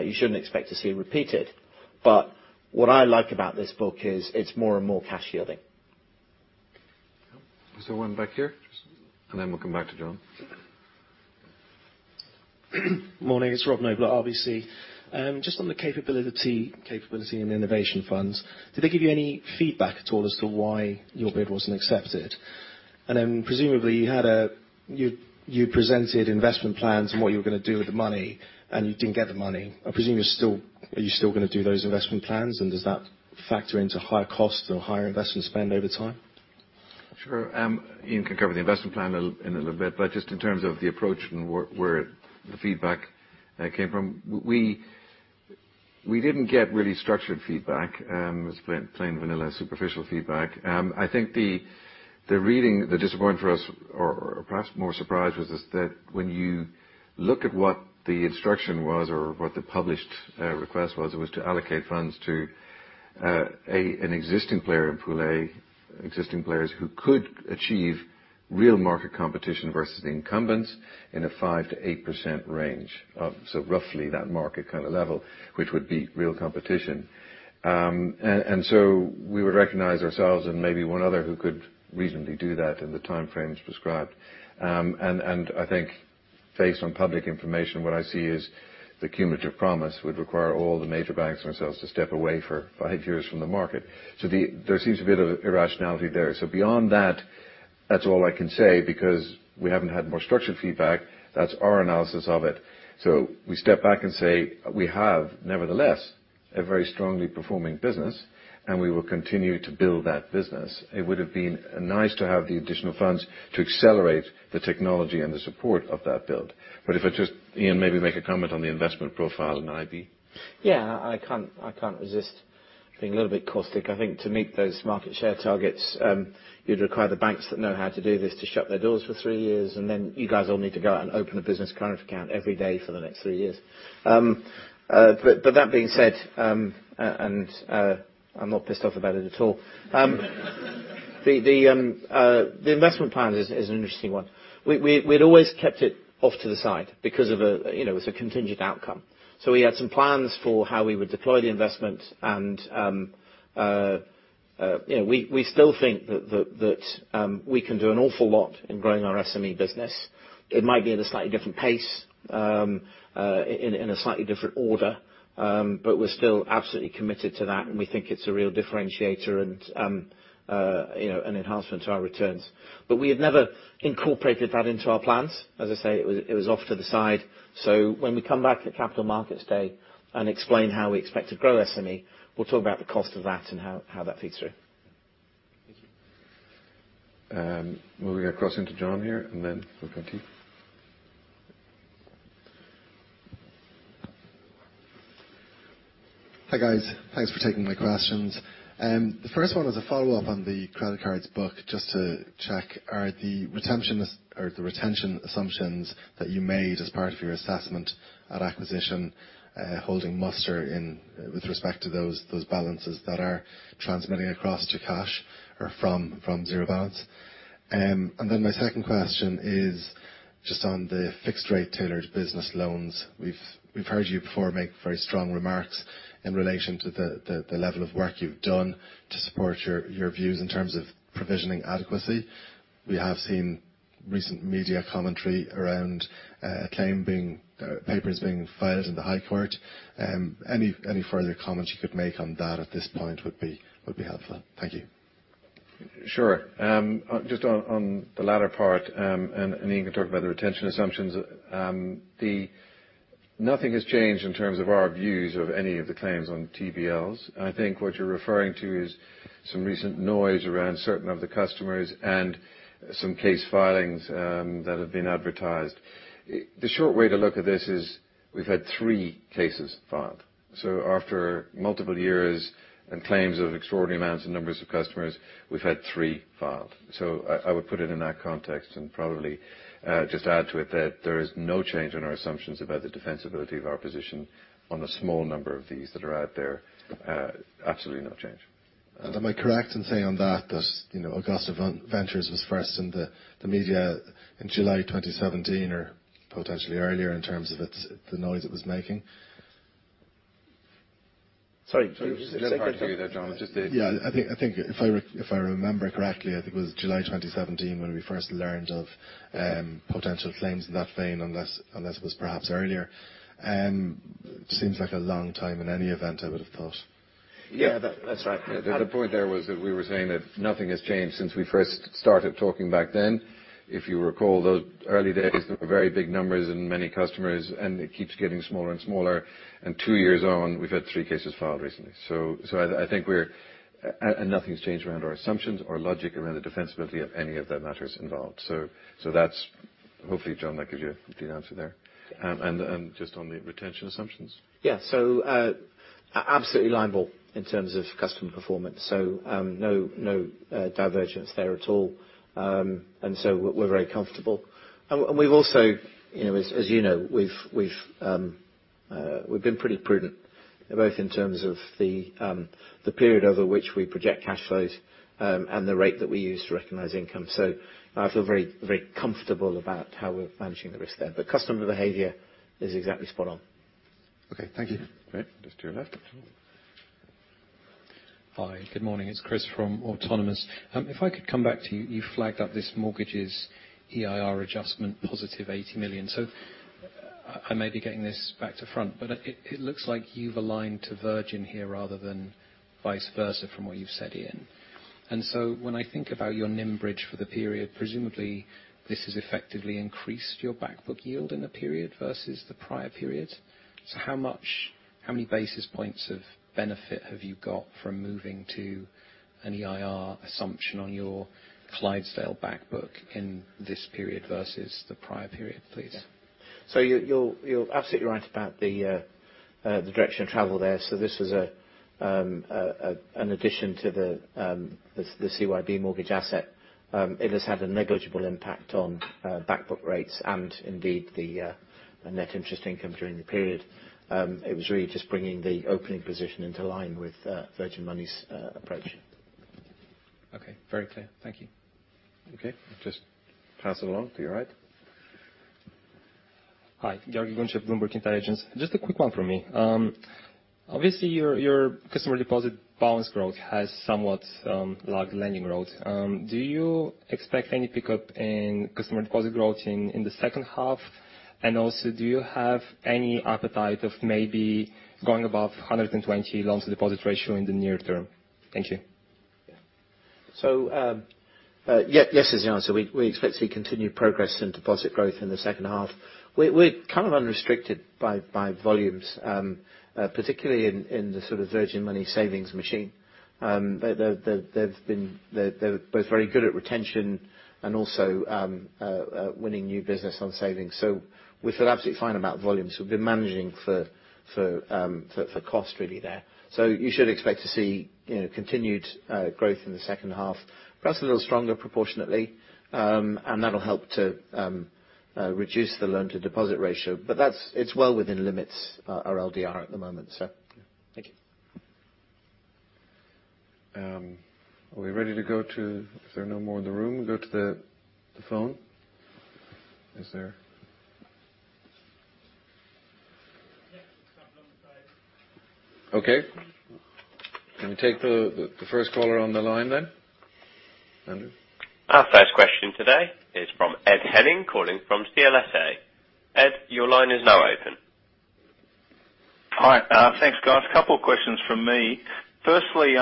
you shouldn't expect to see repeated. What I like about this book is it's more and more cash yielding. There's still one back here. We'll come back to John. Morning. It's Robert Noble at RBC. Just on the Capability and Innovation Funds, did they give you any feedback at all as to why your bid wasn't accepted? Presumably, you presented investment plans and what you were going to do with the money, and you didn't get the money. Are you still going to do those investment plans, and does that factor into higher costs or higher investment spend over time? Sure. Ian can cover the investment plan in a little bit, but just in terms of the approach and where the feedback came from, we didn't get really structured feedback. It was plain vanilla, superficial feedback. I think the disappointing for us, or perhaps more surprise was just that when you look at what the instruction was or what the published request was, it was to allocate funds to an existing player in Pool A, existing players who could achieve real market competition versus incumbents in a 5%-8% range of so roughly that market kind of level, which would be real competition. We would recognize ourselves and maybe one other who could reasonably do that in the time frames prescribed. I think based on public information, what I see is the cumulative promise would require all the major banks themselves to step away for five years from the market. There seems a bit of irrationality there. Beyond that's all I can say, because we haven't had more structured feedback. That's our analysis of it. We step back and say we have, nevertheless, a very strongly performing business, and we will continue to build that business. It would have been nice to have the additional funds to accelerate the technology and the support of that build. If I just Ian, maybe make a comment on the investment profile in IRB. Yeah. I can't resist being a little bit caustic. I think to meet those market share targets, you'd require the banks that know how to do this to shut their doors for three years, and then you guys all need to go out and open a business current account every day for the next three years. That being said, I'm not pissed off about it at all. The investment plan is an interesting one. We'd always kept it off to the side because it was a contingent outcome. We had some plans for how we would deploy the investment. We still think that we can do an awful lot in growing our SME business. It might be at a slightly different pace, in a slightly different order, but we're still absolutely committed to that, and we think it's a real differentiator and an enhancement to our returns. We have never incorporated that into our plans. As I say, it was off to the side. When we come back to the Capital Markets Day and explain how we expect to grow SME, we'll talk about the cost of that and how that feeds through. Thank you. Moving across into John here, then we'll go to you. Hi, guys. Thanks for taking my questions. The first one is a follow-up on the credit cards book, just to check, are the retention assumptions that you made as part of your assessment at acquisition holding muster in with respect to those balances that are transmitting across to cash or from zero balance? My second question is just on the fixed rate Tailored Business Loans. We've heard you before make very strong remarks in relation to the level of work you've done to support your views in terms of provisioning adequacy. We have seen recent media commentary around a claim being, papers being filed in the High Court. Any further comments you could make on that at this point would be helpful. Thank you. Sure. Just on the latter part, and Ian can talk about the retention assumptions. Nothing has changed in terms of our views of any of the claims on TBLs. I think what you're referring to is some recent noise around certain of the customers and some case filings that have been advertised. The short way to look at this is we've had three cases filed. After multiple years and claims of extraordinary amounts of numbers of customers, we've had three filed. I would put it in that context and probably just add to it that there is no change in our assumptions about the defensibility of our position on the small number of these that are out there. Absolutely no change. Am I correct in saying on that Augusta Ventures was first in the media in July 2017 or potentially earlier in terms of the noise it was making? Sorry. Just hard to hear that, John. I think if I remember correctly, I think it was July 2017 when we first learned of potential claims in that vein, unless it was perhaps earlier. Seems like a long time in any event, I would have thought. That's right. The point there was that we were saying that nothing has changed since we first started talking back then. If you recall those early days there were very big numbers and many customers and it keeps getting smaller and smaller. Two years on, we've had three cases filed recently. Nothing's changed around our assumptions or logic around the defensibility of any of the matters involved. That's Hopefully, John, that gives you a clean answer there. Just on the retention assumptions. Yeah. Absolutely line ball in terms of customer performance. No divergence there at all. We're very comfortable. We've also, as you know, we've been pretty prudent both in terms of the period over which we project cash flows and the rate that we use to recognize income. I feel very comfortable about how we're managing the risk there. Customer behavior is exactly spot on. Okay. Thank you. Great. Just to your left. Hi, good morning. It's Chris from Autonomous. If I could come back to you flagged up this mortgages EIR adjustment positive 80 million. I may be getting this back to front, but it looks like you've aligned to Virgin here rather than vice versa from what you've said, Ian. When I think about your NIM bridge for the period, presumably this has effectively increased your back book yield in the period versus the prior period. How much, how many basis points of benefit have you got from moving to an EIR assumption on your Clydesdale back book in this period versus the prior period, please? You're absolutely right about the direction of travel there. This was an addition to the CYB mortgage asset. It has had a negligible impact on back book rates and indeed the net interest income during the period. It was really just bringing the opening position into line with Virgin Money's approach. Okay. Very clear. Thank you. Okay. Just pass it along to your right. Hi. Yargi Gunchef, Bloomberg Intelligence. Just a quick one from me. Obviously, your customer deposit balance growth has somewhat lagged lending growth. Do you expect any pickup in customer deposit growth in the second half? Also, do you have any appetite of maybe going above 120 loans to deposit ratio in the near term? Thank you. Yes is the answer. We expect to see continued progress in deposit growth in the second half. We're kind of unrestricted by volumes, particularly in the sort of Virgin Money savings machine. They're both very good at retention and also winning new business on savings. We feel absolutely fine about volumes. We've been managing for cost really there. You should expect to see continued growth in the second half, perhaps a little stronger proportionately, and that'll help to reduce the loan to deposit ratio. It's well within limits our LDR at the moment. Thank you. If there are no more in the room, go to the phone? Is there? Okay. Can we take the first caller on the line then? Andrew? Our first question today is from Ed Henning calling from CLSA. Ed, your line is now open. Hi. Thanks, guys. Couple of questions from me. Firstly,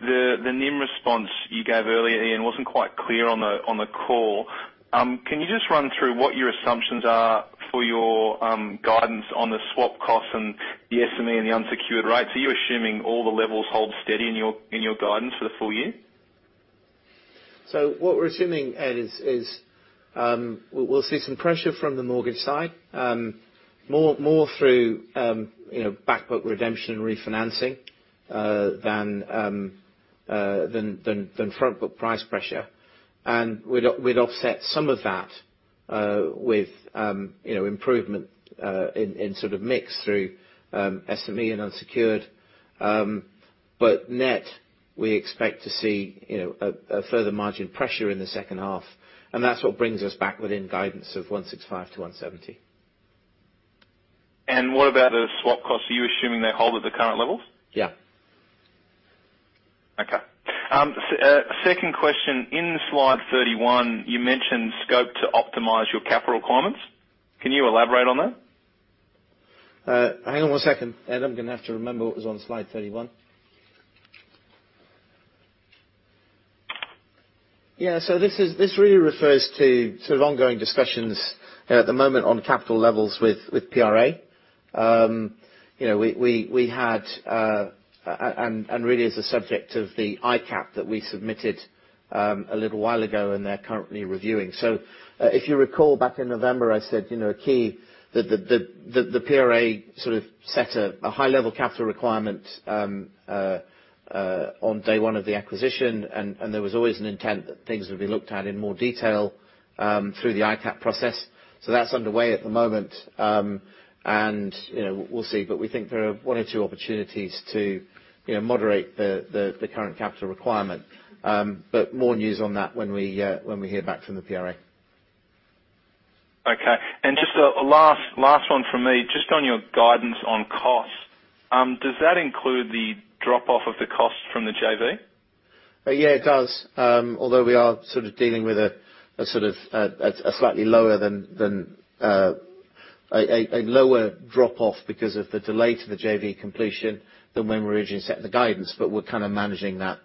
the NIM response you gave earlier, Ian, wasn't quite clear on the call. Can you just run through what your assumptions are for your guidance on the swap costs and the SME and the unsecured rates? Are you assuming all the levels hold steady in your guidance for the full year? What we're assuming, Ed, is we'll see some pressure from the mortgage side, more through back book redemption and refinancing, than front book price pressure. We'd offset some of that with improvement in sort of mix through SME and unsecured. Net, we expect to see a further margin pressure in the second half, and that's what brings us back within guidance of 1.65%-1.70%. What about the swap costs? Are you assuming they hold at the current levels? Yeah. Okay. Second question, in slide 31, you mentioned scope to optimize your capital requirements. Can you elaborate on that? Hang on one second, Ed. I'm going to have to remember what was on slide 31. Yeah, this really refers to sort of ongoing discussions at the moment on capital levels with PRA. Really as a subject of the ICAAP that we submitted a little while ago, and they're currently reviewing. If you recall back in November, I said a key that the PRA sort of set a high level capital requirement on day one of the acquisition, and there was always an intent that things would be looked at in more detail through the ICAAP process. That's underway at the moment. We'll see, but we think there are one or two opportunities to moderate the current capital requirement. But more news on that when we hear back from the PRA. Okay. Just a last one from me. Just on your guidance on costs, does that include the drop-off of the cost from the JV? Yeah, it does. Although we are sort of dealing with a sort of a slightly lower drop-off because of the delay to the JV completion than when we originally set the guidance, but we're kind of managing that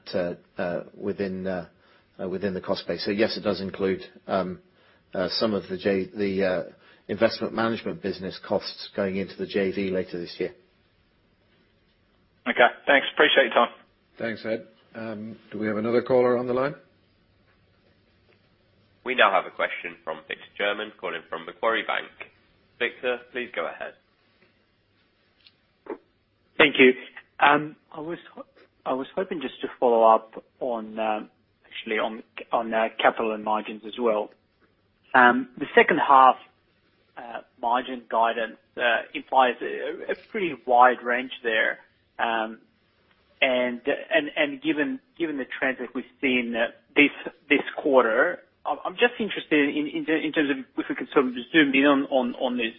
within the cost base. Yes, it does include some of the investment management business costs going into the JV later this year. Okay. Thanks, appreciate your time. Thanks, Ed. Do we have another caller on the line? We now have a question from Victor German, calling from Macquarie Bank. Victor, please go ahead. Thank you. I was hoping just to follow up on actually on capital and margins as well. The second half margin guidance implies a pretty wide range there. Given the trends that we've seen this quarter, I'm just interested in terms of if we could sort of just zoom in on this.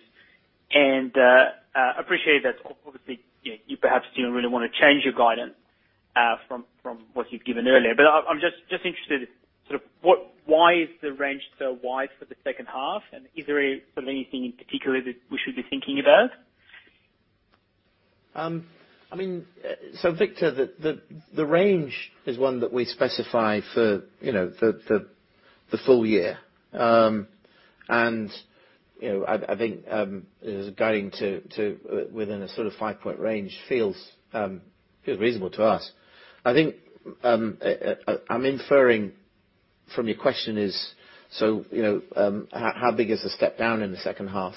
Appreciate that obviously, you perhaps don't really want to change your guidance from what you've given earlier. I'm just interested sort of why is the range so wide for the second half, and is there anything in particular that we should be thinking about? Victor, the range is one that we specify for the full year. I think as guiding to within a sort of 5-point range feels reasonable to us. I think I'm inferring from your question is, how big is the step down in the second half?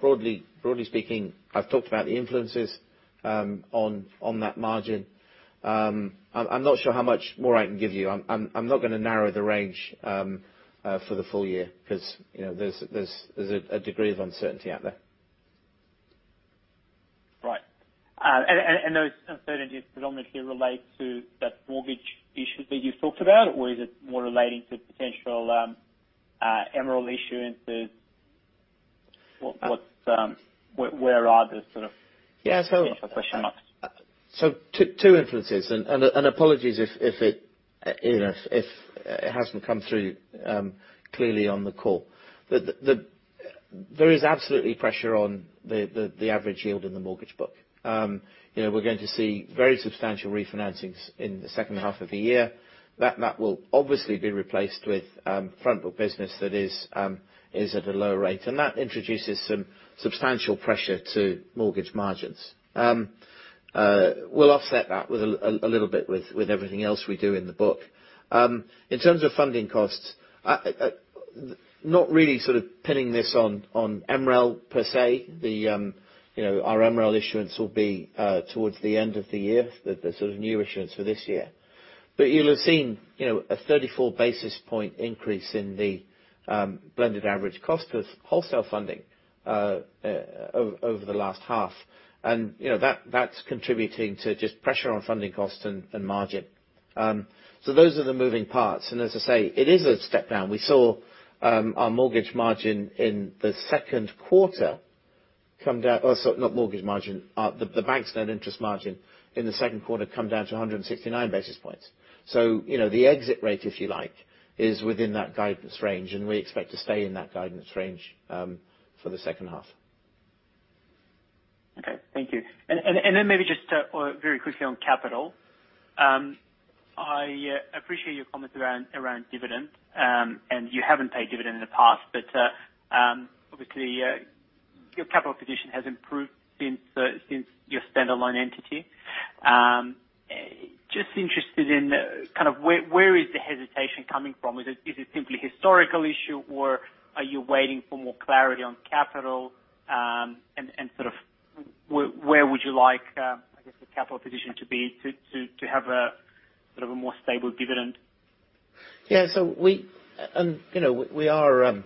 Broadly speaking, I've talked about the influences on that margin. I'm not sure how much more I can give you. I'm not going to narrow the range for the full year because there's a degree of uncertainty out there. Right. Those uncertainties predominantly relate to that mortgage issue that you talked about, or is it more relating to potential MREL issuances? Where are the. Yeah Potential question marks. Two influences, apologies if it hasn't come through clearly on the call. There is absolutely pressure on the average yield in the mortgage book. We're going to see very substantial refinancings in the second half of the year. That will obviously be replaced with front book business that is at a lower rate. That introduces some substantial pressure to mortgage margins. We'll offset that a little bit with everything else we do in the book. In terms of funding costs, not really sort of pinning this on MREL per se. Our MREL issuance will be towards the end of the year, the sort of new issuance for this year. You'll have seen a 34 basis point increase in the blended average cost of wholesale funding over the last half. That's contributing to just pressure on funding costs and margin. Those are the moving parts. As I say, it is a step down. We saw our mortgage margin in the second quarter come down. Oh, sorry, not mortgage margin. The bank's net interest margin in the second quarter come down to 169 basis points. The exit rate, if you like, is within that guidance range, we expect to stay in that guidance range for the second half. Okay. Thank you. Maybe just very quickly on capital. I appreciate your comments around dividend, you haven't paid dividend in the past, obviously your capital position has improved since your standalone entity. Just interested in kind of where is the hesitation coming from? Is it simply historical issue, or are you waiting for more clarity on capital? Where would you like, I guess, the capital position to be to have a sort of a more stable dividend? Yeah. We are, as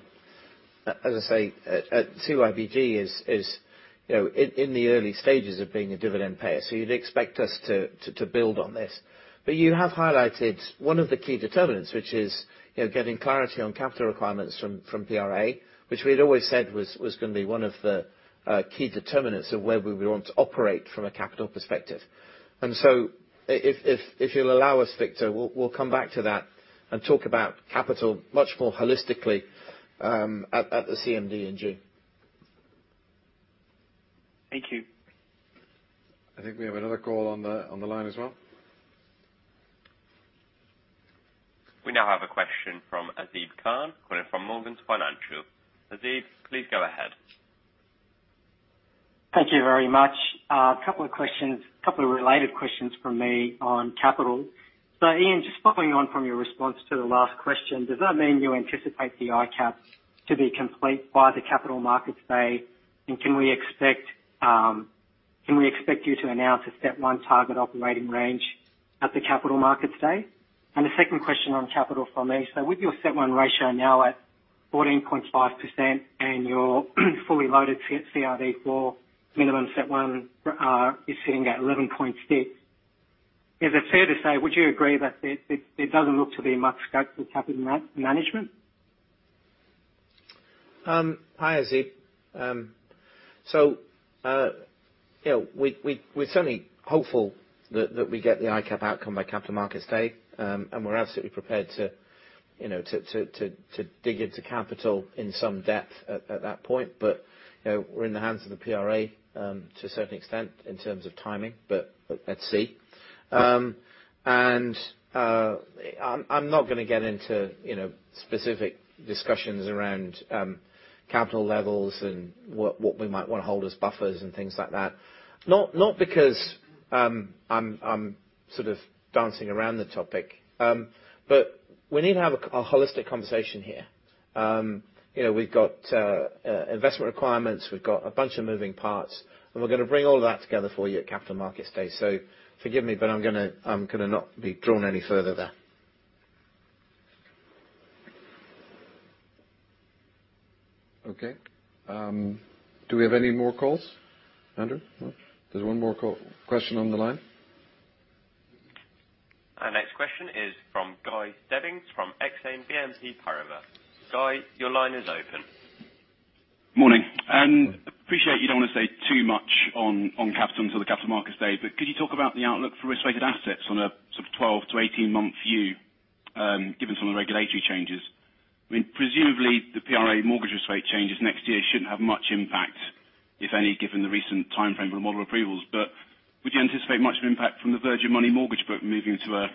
I say, at CYBG is in the early stages of being a dividend payer, you'd expect us to build on this. You have highlighted one of the key determinants, which is getting clarity on capital requirements from PRA, which we'd always said was going to be one of the key determinants of where we would want to operate from a capital perspective. If you'll allow us, Victor, we'll come back to that and talk about capital much more holistically at the CMD in June. Thank you. I think we have another call on the line as well. We now have a question from Asif Khan calling from Morgans Financial. Asif, please go ahead. Thank you very much. A couple of related questions from me on capital. Ian, just following on from your response to the last question, does that mean you anticipate the ICAAP to be complete by the Capital Markets Day? Can we expect you to announce a step 1 target operating range at the Capital Markets Day? A second question on capital from me. With your step 1 ratio now at 14.5% and your fully loaded CRD IV minimum CET1 is sitting at 11.6, is it fair to say, would you agree that it doesn't look to be much scope for capital management? Hi, Asif. We're certainly hopeful that we get the ICAAP outcome by Capital Markets Day, and we're absolutely prepared to dig into capital in some depth at that point. We're in the hands of the PRA, to a certain extent, in terms of timing, but let's see. I'm not going to get into specific discussions around capital levels and what we might want to hold as buffers and things like that. Not because I'm sort of dancing around the topic, but we need to have a holistic conversation here. We've got investment requirements. We've got a bunch of moving parts, and we're going to bring all of that together for you at Capital Markets Day. Forgive me, but I'm going to not be drawn any further there. Okay. Do we have any more calls? Andrew? There's one more question on the line. Our next question is from Guy Stebbings from Exane BNP Paribas. Guy, your line is open. Morning. Appreciate you don't want to say too much on capital until the Capital Markets Day, could you talk about the outlook for risk-weighted assets on a sort of 12-18 month view, given some of the regulatory changes? Presumably the PRA mortgage risk weight changes next year shouldn't have much impact, if any, given the recent timeframe for the model approvals. Would you anticipate much of an impact from the Virgin Money mortgage book moving to a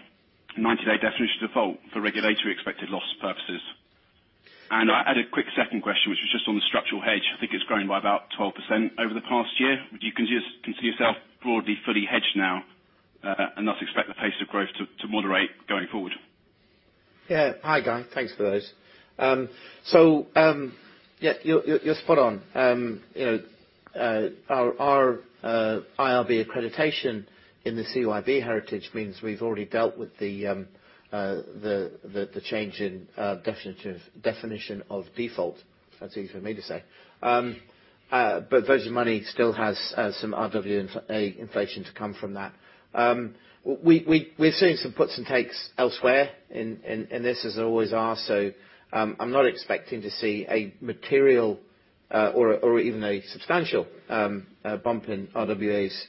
90-day definition of default for regulatory expected loss purposes? I had a quick second question, which was just on the structural hedge. I think it's grown by about 12% over the past year. Would you consider yourself broadly fully hedged now, and thus expect the pace of growth to moderate going forward? Yeah. Hi, Guy. Thanks for those. You're spot on. Our IRB accreditation in the CYB heritage means we've already dealt with the change in definition of default. That's easy for me to say. Virgin Money still has some RWA inflation to come from that. We're seeing some puts and takes elsewhere in this, as there always are. I'm not expecting to see a material or even a substantial bump in RWAs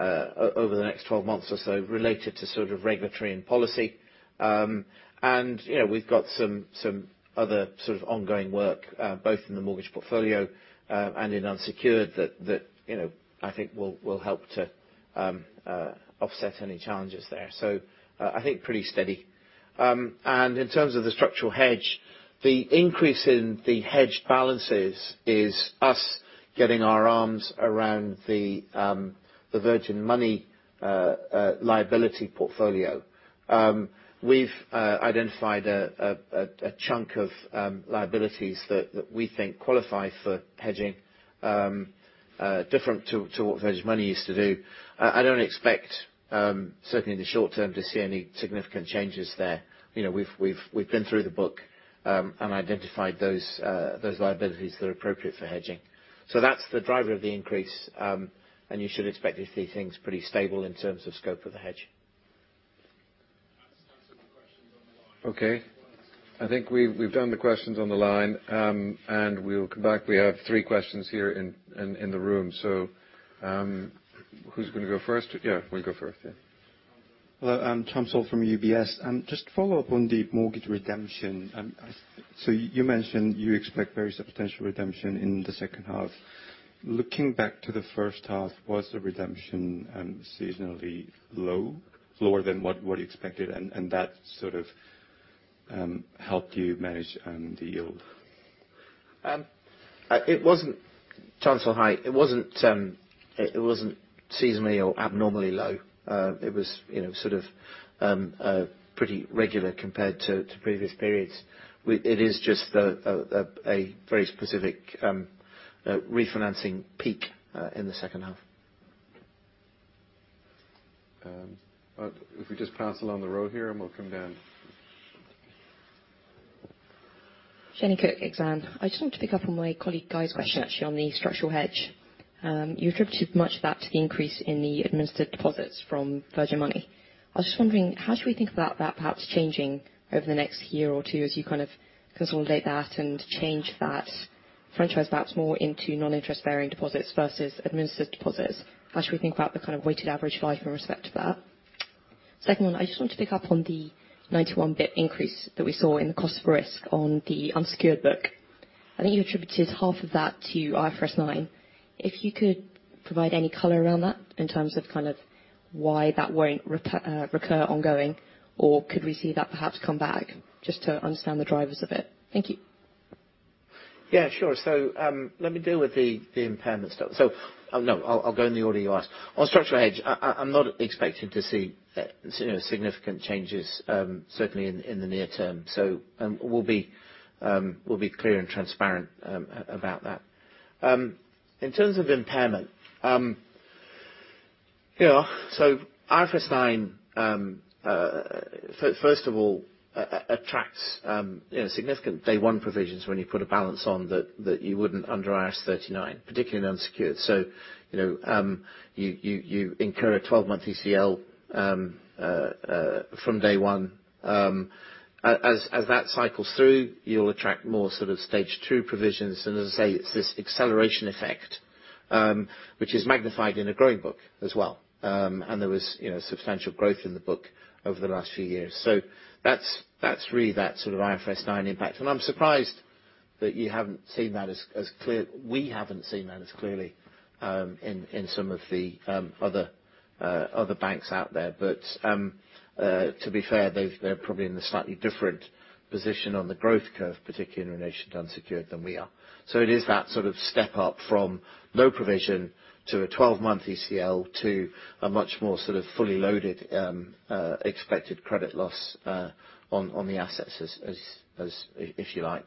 over the next 12 months or so related to sort of regulatory and policy. We've got some other sort of ongoing work, both in the mortgage portfolio and in unsecured that I think will help to offset any challenges there. I think pretty steady. In terms of the structural hedge, the increase in the hedged balances is us getting our arms around the Virgin Money liability portfolio. We've identified a chunk of liabilities that we think qualify for hedging different to what Virgin Money used to do. I don't expect, certainly in the short term, to see any significant changes there. We've been through the book and identified those liabilities that are appropriate for hedging. That's the driver of the increase, and you should expect to see things pretty stable in terms of scope of the hedge. Okay. I think we've done the questions on the line, and we'll come back. We have three questions here in the room. Who's going to go first? Yeah, we'll go first. Yeah. Hello. I'm Thomas Saltorre from UBS. Just to follow up on the mortgage redemption. You mentioned you expect there is a potential redemption in the second half. Looking back to the first half, was the redemption seasonally low, lower than what you expected, and that sort of helped you manage the yield? Thomas Saltorre, hi. It wasn't seasonally or abnormally low. It was pretty regular compared to previous periods. It is just a very specific refinancing peak in the second half. If we just pass along the row here, and we'll come down. Jennifer Cook, Exane. I just wanted to pick up on my colleague Guy's question. Okay Actually, on the structural hedge. You attributed much of that to the increase in the administered deposits from Virgin Money. I was just wondering, how should we think about that perhaps changing over the next year or two as you kind of consolidate that and change that franchise perhaps more into non-interest-bearing deposits versus administered deposits? How should we think about the kind of weighted average life in respect to that? Second one, I just wanted to pick up on the 91 basis point increase that we saw in the cost of risk on the unsecured book. I think you attributed half of that to IFRS 9. If you could provide any color around that in terms of why that won't recur ongoing, or could we see that perhaps come back, just to understand the drivers of it. Thank you. Yeah, sure. Let me deal with the impairment stuff. No, I'll go in the order you asked. On structural hedge, I'm not expecting to see significant changes, certainly in the near term. We'll be clear and transparent about that. In terms of impairment, IFRS 9, first of all, attracts significant day 1 provisions when you put a balance on that you wouldn't under IFRS 39, particularly in unsecured. You incur a 12-month ECL from day 1. As that cycles through, you'll attract more sort of stage 2 provisions. As I say, it's this acceleration effect, which is magnified in a growing book as well. There was substantial growth in the book over the last few years. That's really that sort of IFRS 9 impact. I'm surprised that you haven't seen that as clearly in some of the other banks out there. To be fair, they're probably in a slightly different position on the growth curve, particularly in relation to unsecured, than we are. It is that sort of step up from low provision to a 12-month ECL to a much more sort of fully loaded expected credit loss on the assets, if you like.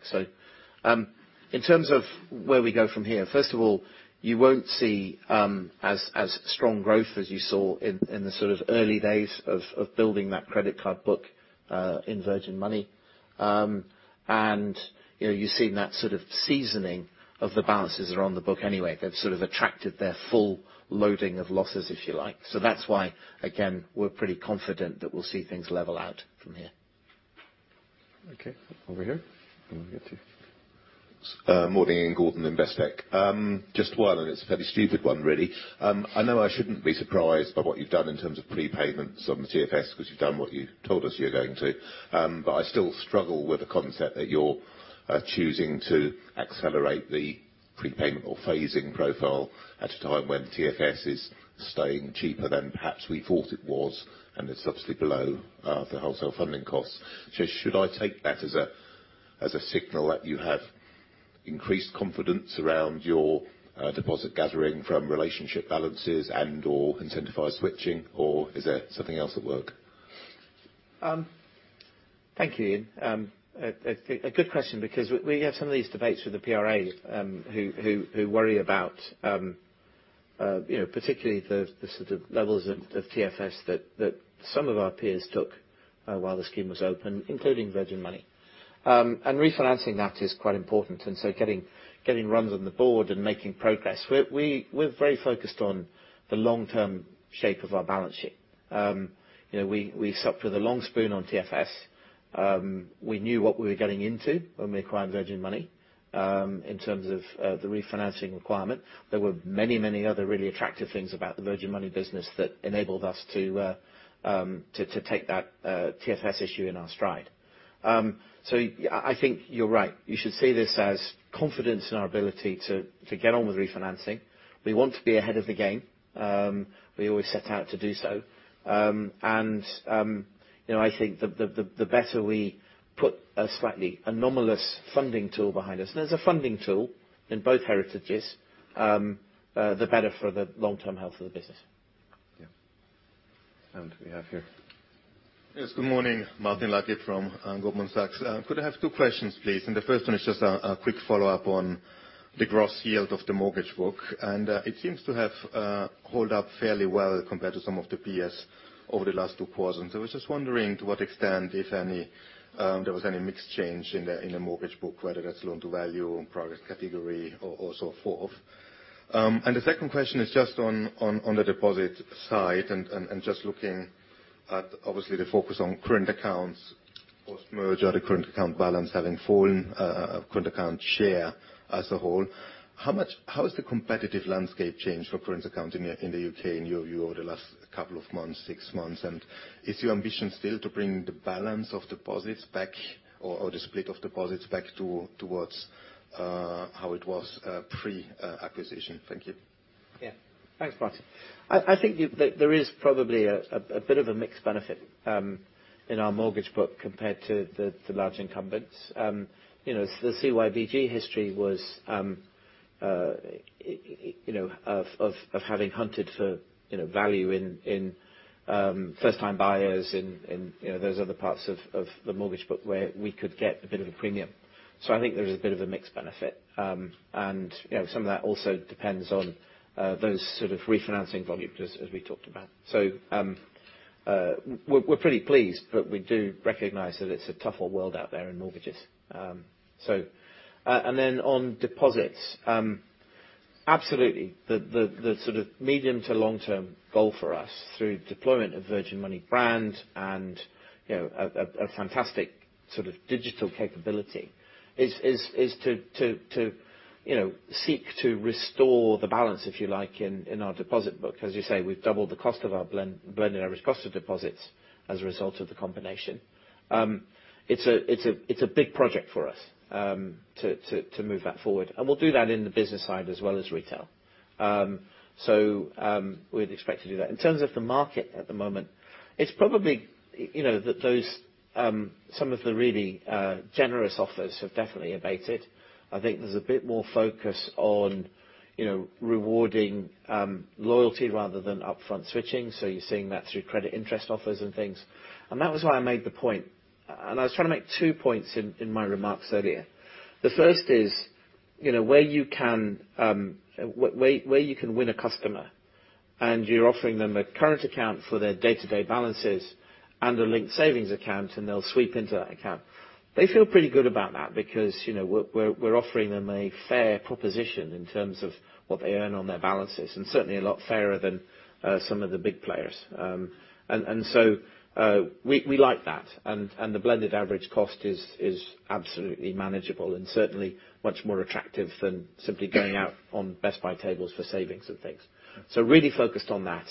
In terms of where we go from here, first of all, you won't see as strong growth as you saw in the sort of early days of building that credit card book in Virgin Money. You've seen that sort of seasoning of the balances that are on the book anyway, they've sort of attracted their full loading of losses, if you like. That's why, again, we're pretty confident that we'll see things level out from here. Okay. Over here. We'll get to you. Morning, Ian Gordon, Investec. Just one, it's a fairly stupid one, really. I know I shouldn't be surprised by what you've done in terms of prepayments on the TFS because you've done what you told us you were going to. I still struggle with the concept that you're choosing to accelerate the prepayment or phasing profile at a time when TFS is staying cheaper than perhaps we thought it was, and it's obviously below the wholesale funding costs. Should I take that as a signal that you have increased confidence around your deposit gathering from relationship balances and/or incentivized switching, or is there something else at work? Thank you, Ian. A good question because we have some of these debates with the PRAs who worry about particularly the sort of levels of TFS that some of our peers took while the scheme was open, including Virgin Money. Refinancing that is quite important, getting runs on the board and making progress. We're very focused on the long-term shape of our balance sheet. We supped with a long spoon on TFS. We knew what we were getting into when we acquired Virgin Money in terms of the refinancing requirement. There were many other really attractive things about the Virgin Money business that enabled us to take that TFS issue in our stride. I think you're right. You should see this as confidence in our ability to get on with refinancing. We want to be ahead of the game. We always set out to do so. I think the better we put a slightly anomalous funding tool behind us, as a funding tool in both heritages, the better for the long-term health of the business. Yeah We have here. Yes, good morning. Martin Laycock from Goldman Sachs. Could I have two questions, please? The first one is just a quick follow-up on the gross yield of the mortgage book. It seems to have held up fairly well compared to some of the peers over the last two quarters. I was just wondering to what extent, if any, there was any mixed change in the mortgage book, whether that's loan to value and product category or so forth. The second question is just on the deposit side and just looking at obviously the focus on current accounts, post-merger, the current account balance having fallen, current account share as a whole. How has the competitive landscape changed for current account in the U.K. in your view over the last couple of months, six months? Is your ambition still to bring the balance of deposits back or the split of deposits back towards how it was pre-acquisition? Thank you. Thanks, Martin. I think there is probably a bit of a mixed benefit, in our mortgage book compared to the large incumbents. The CYBG history was of having hunted for value in first-time buyers, in those other parts of the mortgage book where we could get a bit of a premium. I think there is a bit of a mixed benefit. Some of that also depends on those sort of refinancing volumes as we talked about. We're pretty pleased, but we do recognize that it's a tougher world out there in mortgages. On deposits, absolutely, the sort of medium to long-term goal for us through deployment of Virgin Money brand and a fantastic sort of digital capability is to seek to restore the balance, if you like, in our deposit book. As you say, we've doubled the cost of our blend average cost of deposits as a result of the combination. It's a big project for us to move that forward. We'll do that in the business side as well as retail. We'd expect to do that. In terms of the market at the moment, it's probably that those some of the really generous offers have definitely abated. I think there's a bit more focus on rewarding loyalty rather than upfront switching. You're seeing that through credit interest offers and things. That was why I made the point, and I was trying to make two points in my remarks earlier. The first is where you can win a customer, and you're offering them a current account for their day-to-day balances and a linked savings account, and they'll sweep into that account. They feel pretty good about that because we're offering them a fair proposition in terms of what they earn on their balances, and certainly a lot fairer than some of the big players. We like that, and the blended average cost is absolutely manageable and certainly much more attractive than simply going out on best buy tables for savings and things. Really focused on that,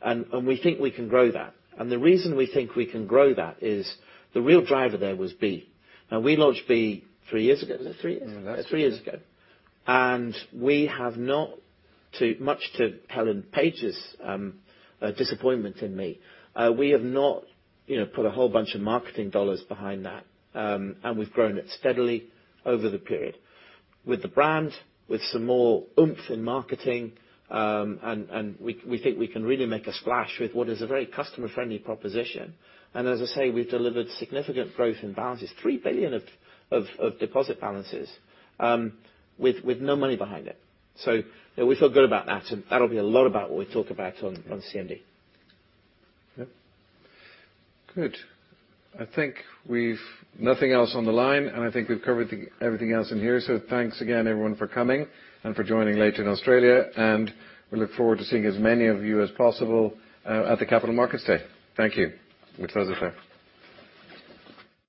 and we think we can grow that. The reason we think we can grow that is the real driver there was B. Now, we launched B three years ago. Was it three years? That's it. Three years ago. We have not, much to Helen Page's disappointment in me, we have not put a whole bunch of marketing GBP behind that, and we've grown it steadily over the period. With the brand, with some more oomph in marketing, we think we can really make a splash with what is a very customer-friendly proposition. As I say, we've delivered significant growth in balances, 3 billion of deposit balances, with no money behind it. We feel good about that, and that'll be a lot about what we talk about on CMD. Okay. Good. I think we've nothing else on the line. I think we've covered everything else in here. Thanks again, everyone, for coming and for joining late in Australia. We look forward to seeing as many of you as possible at the Capital Markets Day. Thank you. With that I say.